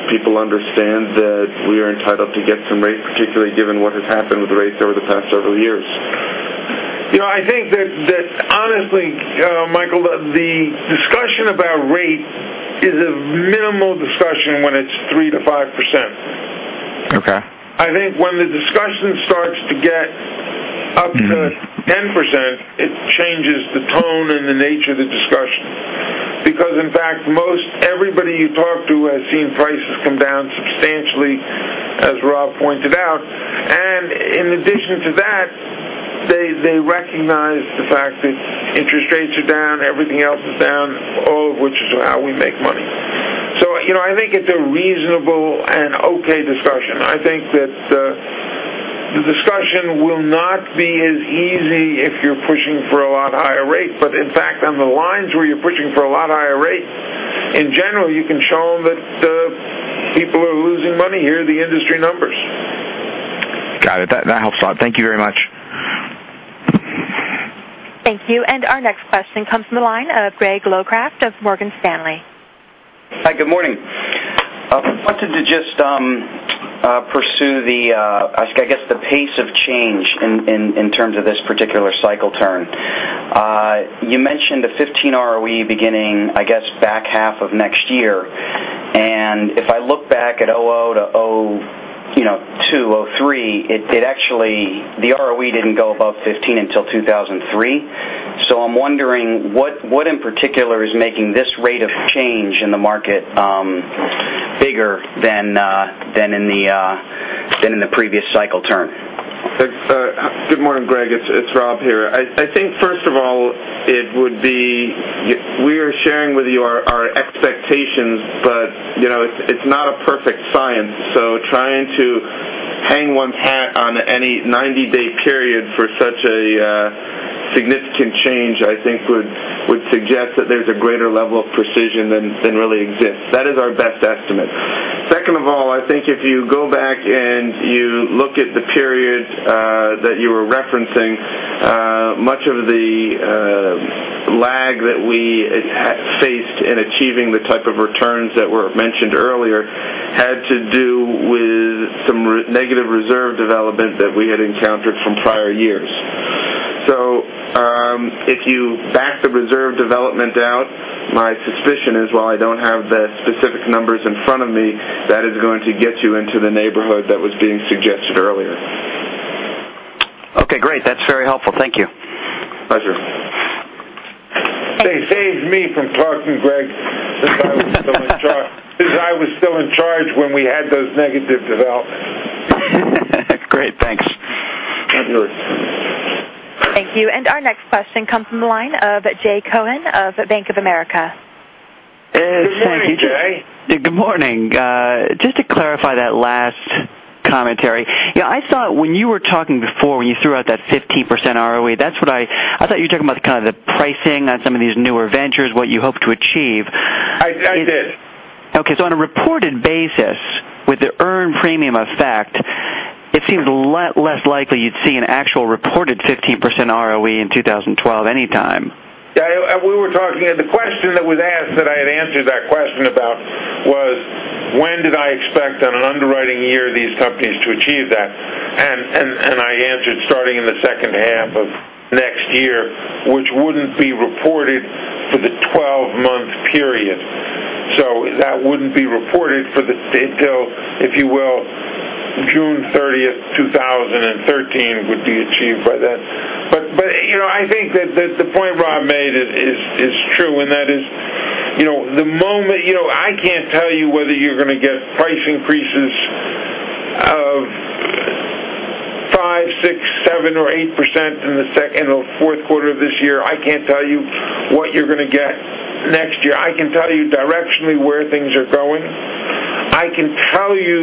people understand that we are entitled to get some rate, particularly given what has happened with rates over the past several years. I think that honestly, Michael, the discussion about rates is a minimal discussion when it's 3%-5%. Okay. In fact, most everybody you talk to has seen prices come down substantially, as Rob pointed out. In addition to that, they recognize the fact that interest rates are down, everything else is down, all of which is how we make money. I think it's a reasonable and okay discussion. I think that the discussion will not be as easy if you're pushing for a lot higher rate. In fact, on the lines where you're pushing for a lot higher rate, in general, you can show them that people are losing money. Here are the industry numbers. Got it. That helps a lot. Thank you very much. Thank you. Our next question comes from the line of Gregory Locraft of Morgan Stanley. Hi, good morning. Wanted to just pursue the, I guess, the pace of change in terms of this particular cycle turn. You mentioned a 15% ROE beginning, I guess, back half of next year. If I look back at 2000-2002, 2003, the ROE didn't go above 15% until 2003. I'm wondering what, in particular, is making this rate of change in the market bigger than in the previous cycle turn? Good morning, Greg. It's Rob here. I think first of all, we are sharing with you our expectations, but it's not a perfect science. Trying to hang one's hat on any 90-day period for such a significant change, I think would suggest that there's a greater level of precision than really exists. That is our best estimate. Second of all, I think if you go back and you look at the period that you were referencing, much of the lag that we faced in achieving the type of returns that were mentioned earlier had to do with some negative reserve development that we had encountered from prior years. If you back the reserve development out, my suspicion is, while I don't have the specific numbers in front of me, that is going to get you into the neighborhood that was being suggested earlier. Okay, great. That's very helpful. Thank you. Pleasure. They saved me from talking, Greg, since I was still in charge when we had those negative developments. Great, thanks. Thank you. Thank you. Our next question comes from the line of Jay Cohen of Bank of America. Good morning, Jay. Good morning. Just to clarify that last commentary. I thought when you were talking before, when you threw out that 15% ROE, that's what I thought you were talking about kind of the pricing on some of these newer ventures, what you hope to achieve. I did. Okay. On a reported basis with the earned premium effect, it seems a lot less likely you'd see an actual reported 15% ROE in 2012 anytime. Yeah, we were talking, the question that was asked that I had answered that question about was, when did I expect on an underwriting year these companies to achieve that? I answered, starting in the second half of next year, which wouldn't be reported for the 12-month period. That wouldn't be reported until, if you will, June 30, 2013, would be achieved by then. I think that the point Rob made is true, and that is, I can't tell you whether you're going to get price increases of 5%, 6%, 7%, or 8% in the fourth quarter of this year. I can't tell you what you're going to get next year. I can tell you directionally where things are going. I can tell you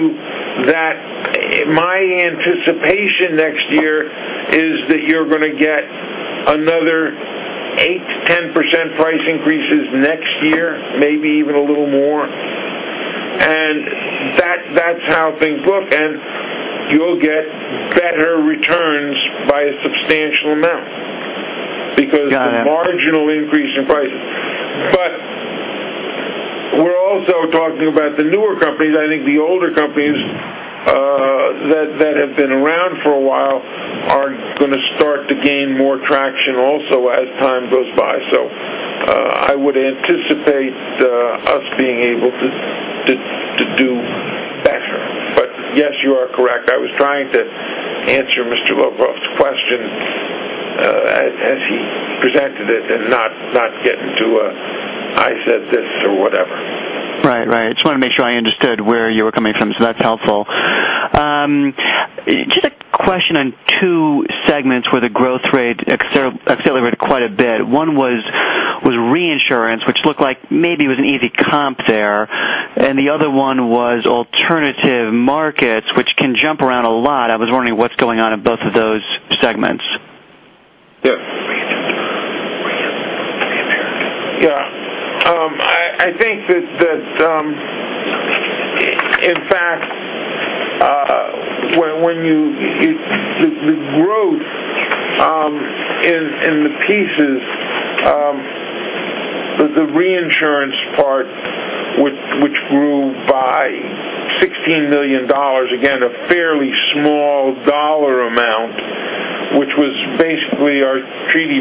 that my anticipation next year is that you're going to get another 8%-10% price increases next year, maybe even a little more. That's how things look, and you'll get better returns by a substantial amount. Got it the marginal increase in prices. We're also talking about the newer companies. I think the older companies that have been around for a while are going to start to gain more traction also as time goes by. I would anticipate us being able to do better. Yes, you are correct. I was trying to answer Mr. Locraft's question as he presented it and not get into a, I said this, or whatever. Right. Just want to make sure I understood where you were coming from. That's helpful. Just a question on two segments where the growth rate accelerated quite a bit. One Reinsurance, which looked like maybe it was an easy comp there. The other one was Alternative Markets, which can jump around a lot. I was wondering what's going on in both of those segments. Yeah. Yeah. I think that, in fact, the growth in the pieces, the Reinsurance part, which grew by $16 million, again, a fairly small dollar amount, which was basically our treaty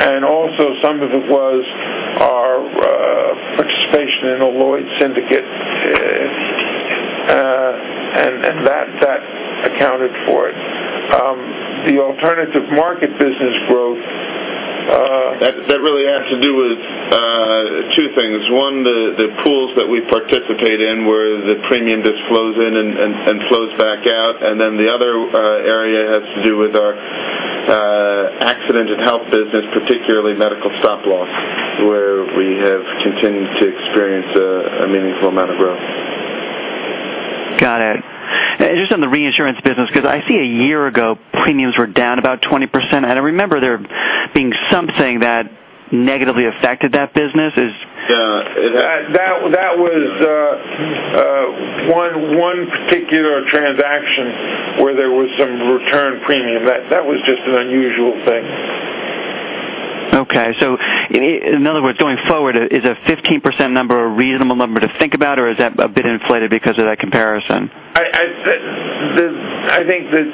business just expanded. Also some of it was our participation in a Lloyd's syndicate, and that accounted for it. The Alternative Market business growth. That really has to do with two things. One, the pools that we participate in, where the premium just flows in and flows back out. The other area has to do with our accident and health business, particularly medical stop loss, where we have continued to experience a meaningful amount of growth. Got it. Just on the Reinsurance business, because I see a year ago premiums were down about 20%, and I remember there being something that negatively affected that business. Yeah. That was one particular transaction where there was some return premium. That was just an unusual thing. Okay. In other words, going forward, is a 15% number a reasonable number to think about, or is that a bit inflated because of that comparison? I think that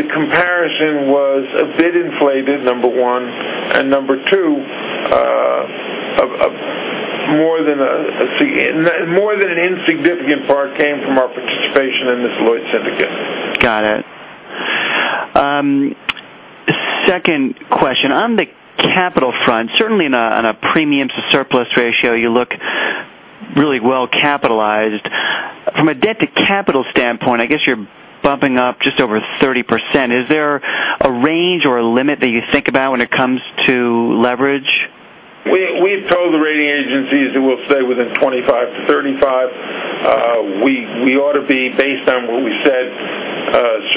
the comparison was a bit inflated, number one. Number two, more than an insignificant part came from our participation in this Lloyd's syndicate. Got it. Second question. On the capital front, certainly on a premium to surplus ratio, you look really well capitalized. From a debt to capital standpoint, I guess you're bumping up just over 30%. Is there a range or a limit that you think about when it comes to leverage? We've told the rating agencies that we'll stay within 25%-35%. We ought to be, based on what we said,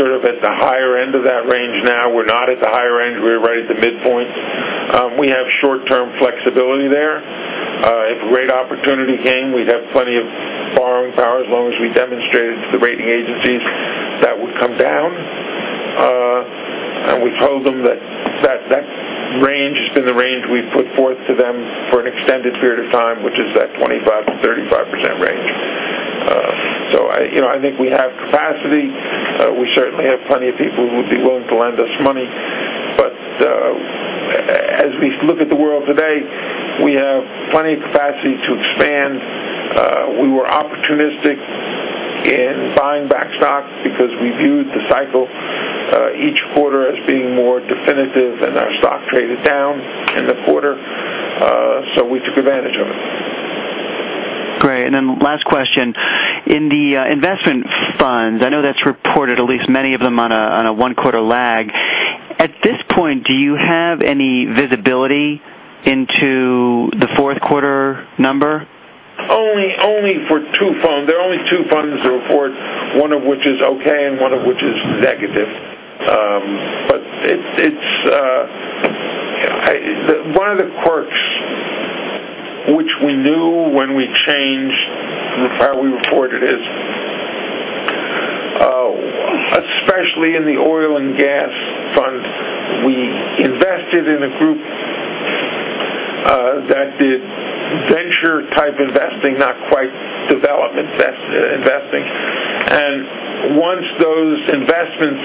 sort of at the higher end of that range now. We're not at the higher end. We're right at the midpoint. We have short-term flexibility there. If a great opportunity came, we'd have plenty of borrowing power as long as we demonstrated to the rating agencies that would come down. We told them that range has been the range we've put forth to them for an extended period of time, which is that 25%-35% range. I think we have capacity. We certainly have plenty of people who would be willing to lend us money. As we look at the world today, we have plenty of capacity to expand. We were opportunistic in buying back stock because we viewed the cycle each quarter as being more definitive. Our stock traded down in the quarter, we took advantage of it. Great. Last question. In the investment funds, I know that's reported, at least many of them, on a one-quarter lag. At this point, do you have any visibility into the fourth quarter number? There are only two funds to report, one of which is okay and one of which is negative. One of the quirks which we knew when we changed how we reported is, especially in the oil and gas fund, we invested in a group that did venture type investing, not quite development investing. Once those investments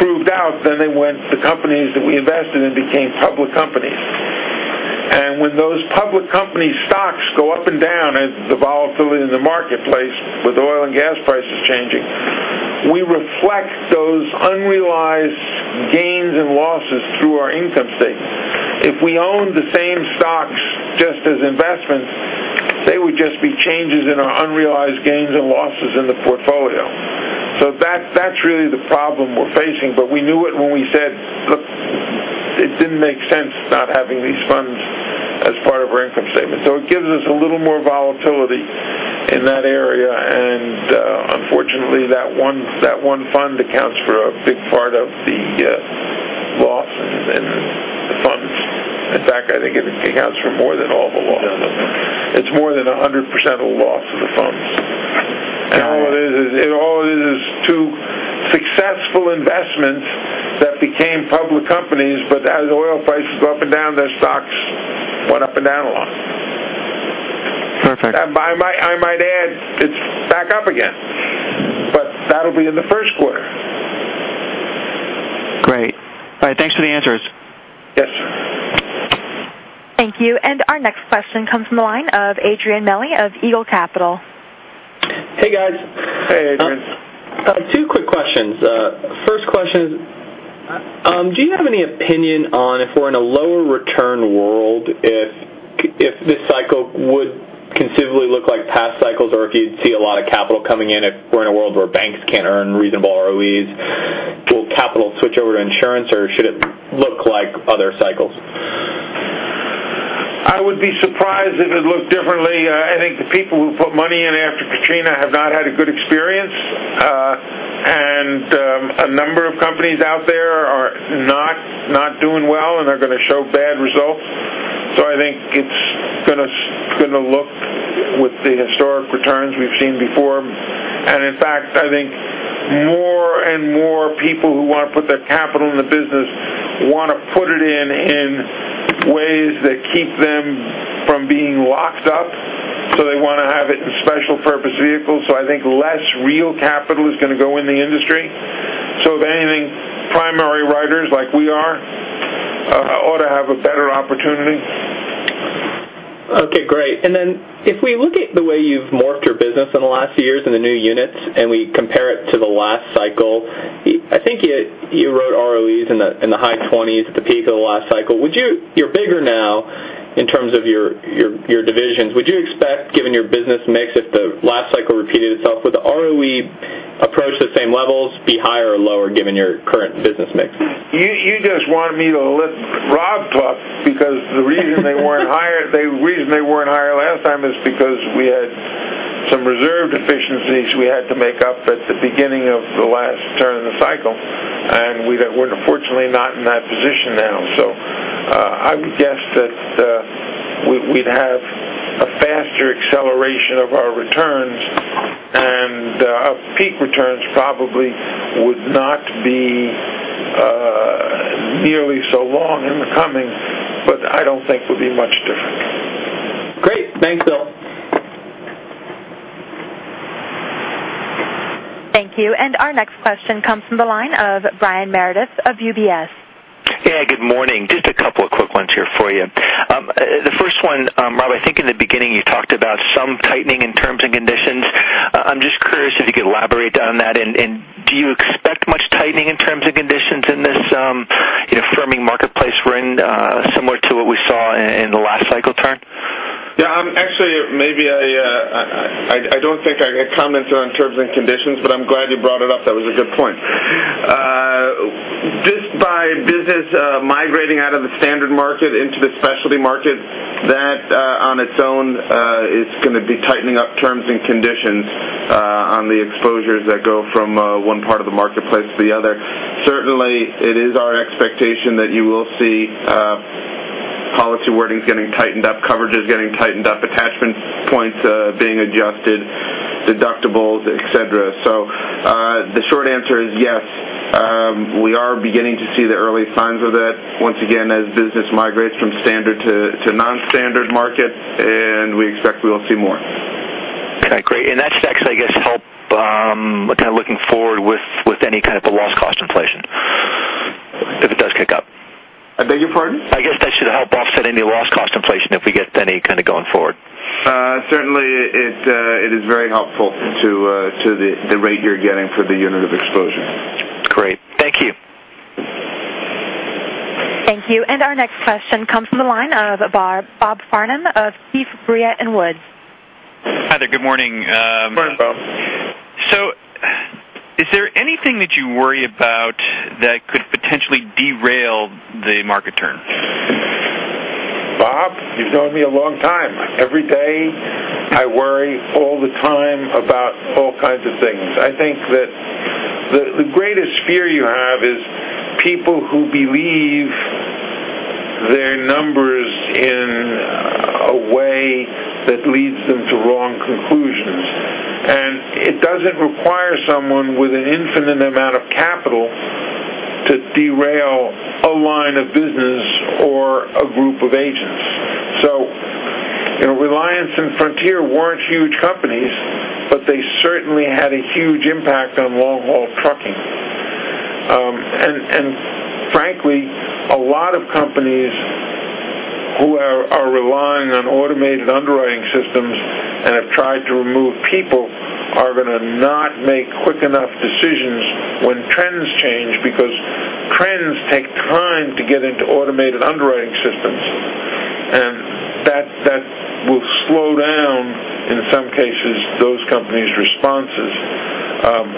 proved out, the companies that we invested in became public companies. When those public company stocks go up and down as the volatility in the marketplace with oil and gas prices changing, we reflect those unrealized gains and losses through our income statement. If we owned the same stocks just as investments, they would just be changes in our unrealized gains and losses in the portfolio. That's really the problem we're facing. We knew it when we said, look, it didn't make sense not having these funds as part of our income statement. It gives us a little more volatility in that area, and unfortunately, that one fund accounts for a big part of the loss in the funds. In fact, I think it accounts for more than all the loss. Yeah. It's more than 100% of the loss of the funds. Got it. All it is two successful investments that became public companies. As oil prices go up and down, their stocks went up and down a lot. Perfect. I might add, it's back up again. That'll be in the first quarter. Great. All right, thanks for the answers. Yes, sir. Thank you. Our next question comes from the line of Adrian Meli of Eagle Capital. Hey, guys. Hey, Adrian. Two quick questions. First question is, do you have any opinion on This cycle would considerably look like past cycles, or if you'd see a lot of capital coming in, if we're in a world where banks can't earn reasonable ROEs, will capital switch over to insurance or should it look like other cycles? I would be surprised if it looked differently. I think the people who put money in after Hurricane Katrina have not had a good experience. A number of companies out there are not doing well, and they're going to show bad results. I think it's going to look with the historic returns we've seen before. In fact, I think more and more people who want to put their capital in the business want to put it in ways that keep them from being locked up. They want to have it in special purpose vehicles. I think less real capital is going to go in the industry. If anything, primary writers like we are, ought to have a better opportunity. Okay, great. If we look at the way you've morphed your business in the last few years in the new units, and we compare it to the last cycle, I think you wrote ROEs in the high 20s at the peak of the last cycle. You're bigger now in terms of your divisions. Would you expect, given your business mix, if the last cycle repeated itself, would the ROE approach the same levels, be higher or lower given your current business mix? You just wanted me to lift Rob off because the reason they weren't higher last time is because we had some reserve deficiencies we had to make up at the beginning of the last turn of the cycle. We're fortunately not in that position now. I would guess that we'd have a faster acceleration of our returns and our peak returns probably would not be nearly so long in the coming, but I don't think would be much different. Great. Thanks, Bill. Thank you. Our next question comes from the line of Brian Meredith of UBS. Yeah, good morning. Just a couple of quick ones here for you. The first one, Rob, I think in the beginning you talked about some tightening in terms and conditions. I'm just curious if you could elaborate on that and do you expect much tightening in terms of conditions in this firming marketplace we're in, similar to what we saw in the last cycle turn? Yeah, actually, maybe I don't think I commented on terms and conditions, but I'm glad you brought it up. That was a good point. Just by business migrating out of the standard market into the specialty market, that on its own is going to be tightening up terms and conditions on the exposures that go from one part of the marketplace to the other. Certainly, it is our expectation that you will see policy wordings getting tightened up, coverages getting tightened up, attachment points being adjusted, deductibles, et cetera. The short answer is yes, we are beginning to see the early signs of that once again as business migrates from standard to non-standard market, and we expect we'll see more. Okay, great. That stacks, I guess, help kind of looking forward with any kind of a loss cost inflation, if it does kick up. I beg your pardon? I guess that should help offset any loss cost inflation if we get any kind of going forward. Certainly, it is very helpful to the rate you're getting for the unit of exposure. Great. Thank you. Thank you. Our next question comes from the line of Bob Farnam of Keefe, Bruyette & Woods. Hi there. Good morning. Morning, Bob. Is there anything that you worry about that could potentially derail the market turn? Bob, you've known me a long time. Every day, I worry all the time about all kinds of things. I think that the greatest fear you have is people who believe their numbers in a way that leads them to wrong conclusions. It doesn't require someone with an infinite amount of capital to derail a line of business or a group of agents. Reliance and Frontier weren't huge companies, but they certainly had a huge impact on long-haul trucking. Frankly, a lot of companies who are relying on automated underwriting systems and have tried to remove people are going to not make quick enough decisions when trends change because trends take time to get into automated underwriting systems. That will slow down, in some cases, those companies' responses.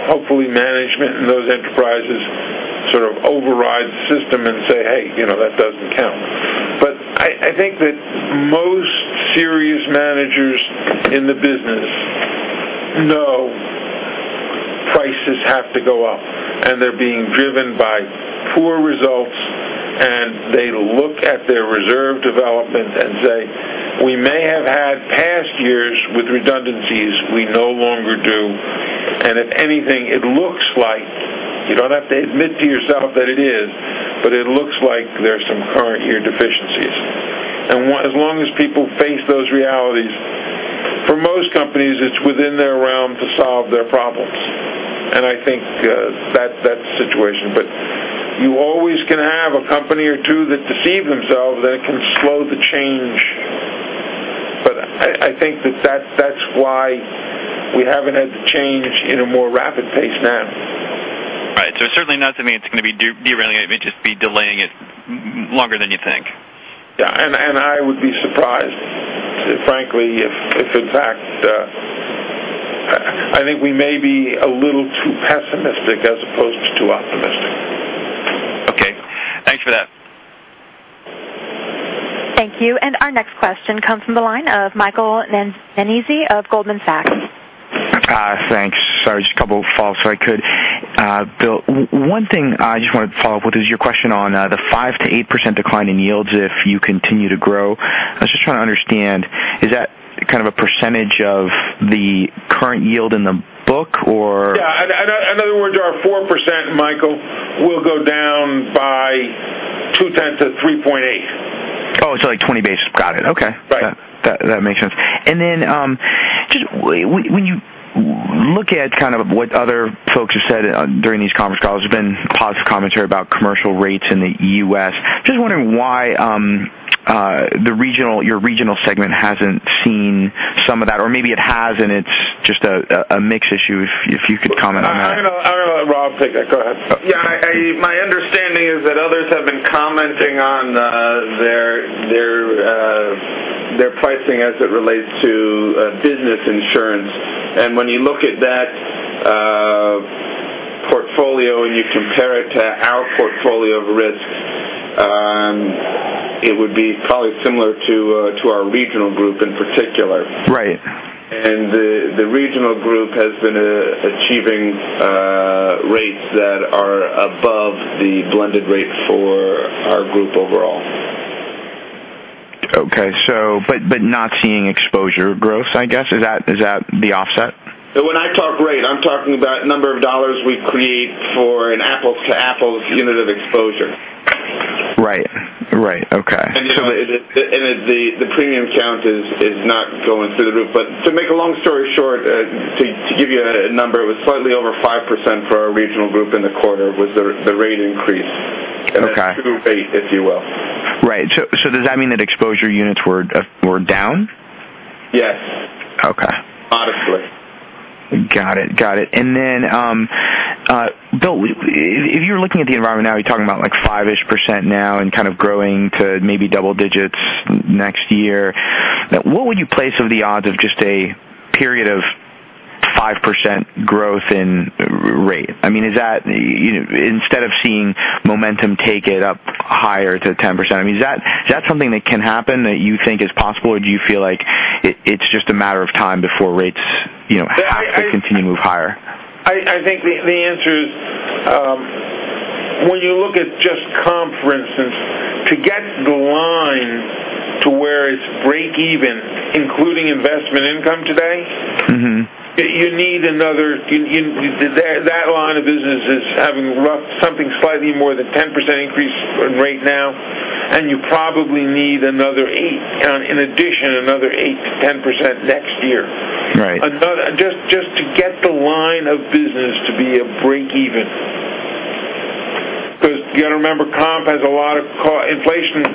Hopefully management in those enterprises sort of override the system and say, "Hey, that doesn't count." I think that most serious managers in the business know prices have to go up, and they're being driven by poor results, and they look at their reserve development and say, "We may have had past years with redundancies. We no longer do." If anything, it looks like, you don't have to admit to yourself that it is, but it looks like there's some current year deficiencies. As long as people face those realities, for most companies, it's within their realm to solve their problems. I think that's the situation. You always can have a company or two that deceive themselves, and it can slow the change. Delaying it longer than you think. Yeah. I would be surprised, frankly, if in fact, I think we may be a little too pessimistic as opposed to too optimistic. Okay. Thanks for that. Thank you. Our next question comes from the line of Michael Nannizzi of Goldman Sachs. Thanks. Sorry, just a couple of follow-ups if I could. Bill, one thing I just want to follow up with is your question on the 5%-8% decline in yields if you continue to grow. I was just trying to understand, is that kind of a percentage of the current yield in the book or? Yeah. In other words, our 4%, Michael, will go down by two-tenths of 3.8. Oh, it's like 20 basis. Got it. Okay. Right. That makes sense. Just when you look at kind of what other folks have said during these conference calls, there's been positive commentary about commercial rates in the U.S. Just wondering why your regional segment hasn't seen some of that, or maybe it has, and it's just a mix issue, if you could comment on that. I'm going to let Rob take that. Go ahead. My understanding is that others have been commenting on their pricing as it relates to business insurance. When you look at that portfolio and you compare it to our portfolio of risks, it would be probably similar to our regional group in particular. Right. The regional group has been achieving rates that are above the blended rate for our group overall. Okay. Not seeing exposure growth, I guess. Is that the offset? When I talk rate, I'm talking about number of dollars we create for an apples-to-apples unit of exposure. Right. Okay. The premium count is not going through the roof. To make a long story short, to give you a number, it was slightly over 5% for our regional group in the quarter, was the rate increase. Okay. To rate, if you will. Right. Does that mean that exposure units were down? Yes. Okay. Modestly. Got it. Bill, if you're looking at the environment now, you're talking about like 5% now and kind of growing to maybe double digits next year. What would you place of the odds of just a period of 5% growth in rate? I mean, instead of seeing momentum take it up higher to 10%, I mean, is that something that can happen that you think is possible? Do you feel like it's just a matter of time before rates have to continue to move higher? I think the answer is, when you look at just comp, for instance, to get the line to where it's break even, including investment income today. That line of business is having something slightly more than 10% increase in rate now, you probably need another 8%, in addition, another 8%-10% next year. Right. Just to get the line of business to be a break even. You got to remember, comp has a lot of inflation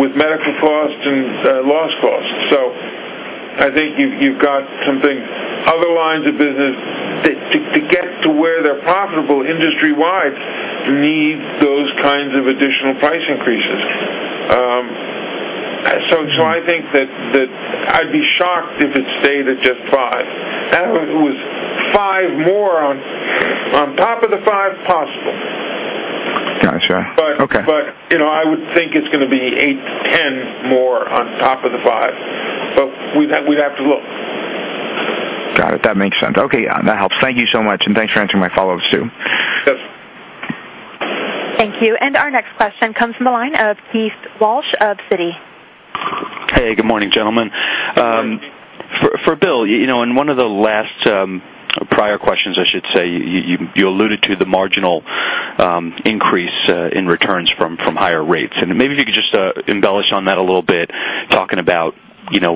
with medical costs and loss costs. I think you've got something, other lines of business, to get to where they're profitable industry-wide, need those kinds of additional price increases. I think that I'd be shocked if it stayed at just 5%. It was 5% more on top of the 5% possible. Got you. Okay. I would think it's going to be 8% to 10% more on top of the five. We'd have to look. Got it. That makes sense. Okay. That helps. Thank you so much. Thanks for answering my follow-ups, too. Yes. Thank you. Our next question comes from the line of Keith Walsh of Citi. Hey, good morning, gentlemen. Good morning. For Bill, in one of the last prior questions, I should say, you alluded to the marginal increase in returns from higher rates. Maybe if you could just embellish on that a little bit, talking about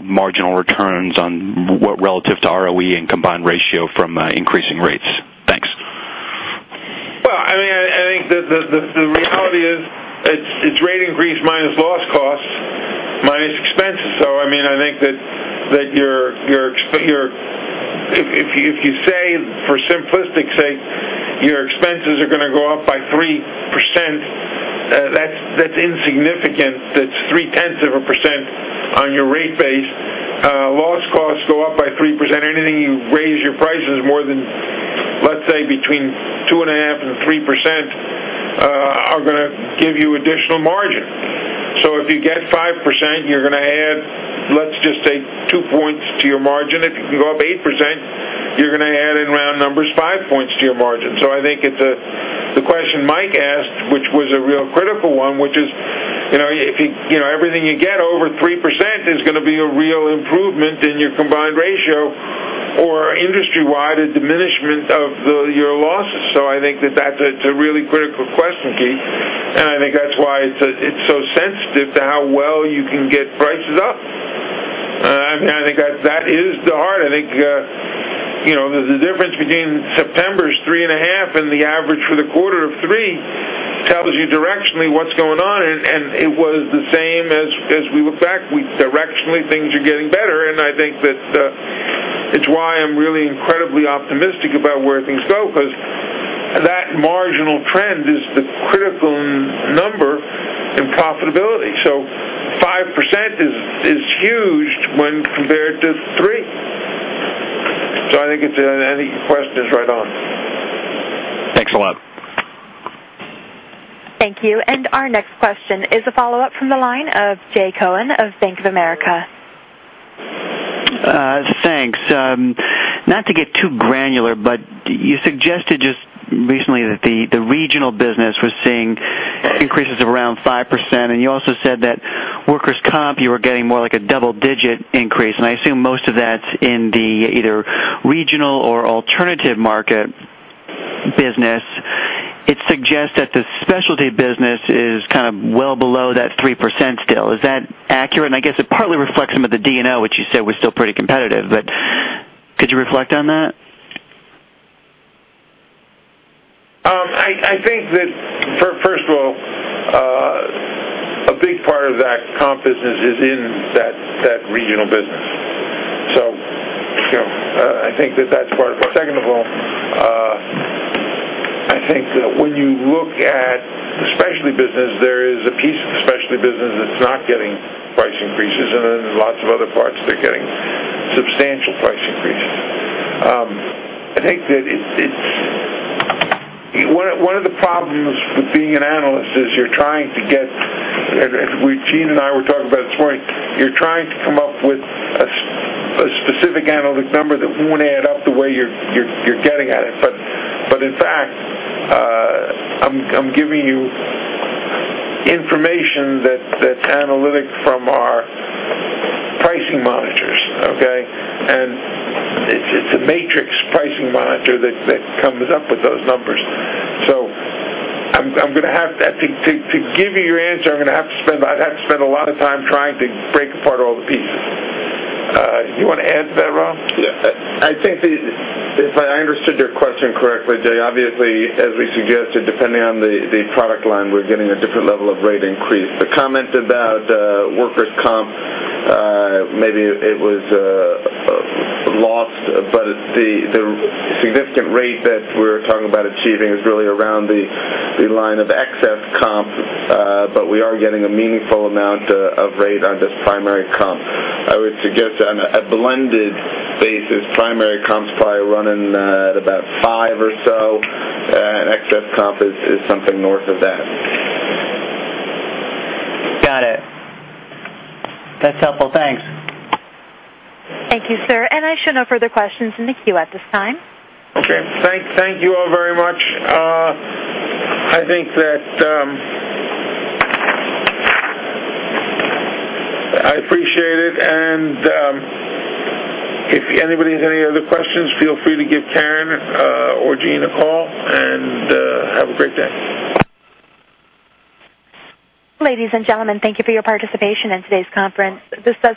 marginal returns on what relative to ROE and combined ratio from increasing rates. Thanks. Well, I think the reality is, it's rate increase minus loss costs, minus expenses. I think that if you say, for simplistic sake, your expenses are going to go up by 3%, that's insignificant. That's three-tenths of a percent on your rate base. Loss costs go up by 3%. Anything you raise your prices more than, let's say, between 2.5% and 3%, are going to give you additional margin. If you get 5%, you're going to add, let's just say two points to your margin. If you can go up 8%, you're going to add in round numbers five points to your margin. I think the question Mike asked, which was a real critical one, which is, everything you get over 3% is going to be a real improvement in your combined ratio, or industry-wide, a diminishment of your losses. I think that that's a really critical question, Keith, I think that's why it's so sensitive to how well you can get prices up. I think that is the heart. I think there's a difference between September's 3.5 and the average for the quarter of 3 tells you directionally what's going on. It was Actually, things are getting better, I think that it's why I'm really incredibly optimistic about where things go, because that marginal trend is the critical number in profitability. 5% is huge when compared to 3. I think that any question is right on. Thanks a lot. Thank you. Our next question is a follow-up from the line of Jay Cohen of Bank of America. Thanks. Not to get too granular, you suggested just recently that the regional business was seeing increases of around 5%. You also said that workers' comp, you were getting more like a double-digit increase. I assume most of that's in the either regional or alternative market business. It suggests that the specialty business is kind of well below that 3% still. Is that accurate? I guess it partly reflects some of the D&O, which you said was still pretty competitive. Could you reflect on that? I think that, first of all, a big part of that comp business is in that regional business. I think that that's part of it. Second of all, I think that when you look at the specialty business, there is a piece of the specialty business that's not getting price increases, then there's lots of other parts that are getting substantial price increases. I think that one of the problems with being an analyst is you're trying to get, Gene and I were talking about it this morning, you're trying to come up with a specific analytic number that won't add up the way you're getting at it. In fact, I'm giving you information that's analytic from our pricing monitors, okay? It's a matrix pricing monitor that comes up with those numbers. To give you your answer, I'd have to spend a lot of time trying to break apart all the pieces. You want to add to that, Rob? Yeah. I think that if I understood your question correctly, Jay, obviously, as we suggested, depending on the product line, we're getting a different level of rate increase. The comment about workers' comp, maybe it was lost, the significant rate that we're talking about achieving is really around the line of excess comp, we are getting a meaningful amount of rate on just primary comp. I would suggest on a blended basis, primary comp's probably running at about five or so, and excess comp is something north of that. Got it. That's helpful. Thanks. Thank you, sir. I show no further questions in the queue at this time. Okay. Thank you all very much. I think that I appreciate it, and if anybody has any other questions, feel free to give Karen or Gene a call, and have a great day. Ladies and gentlemen, thank you for your participation in today's conference. This does.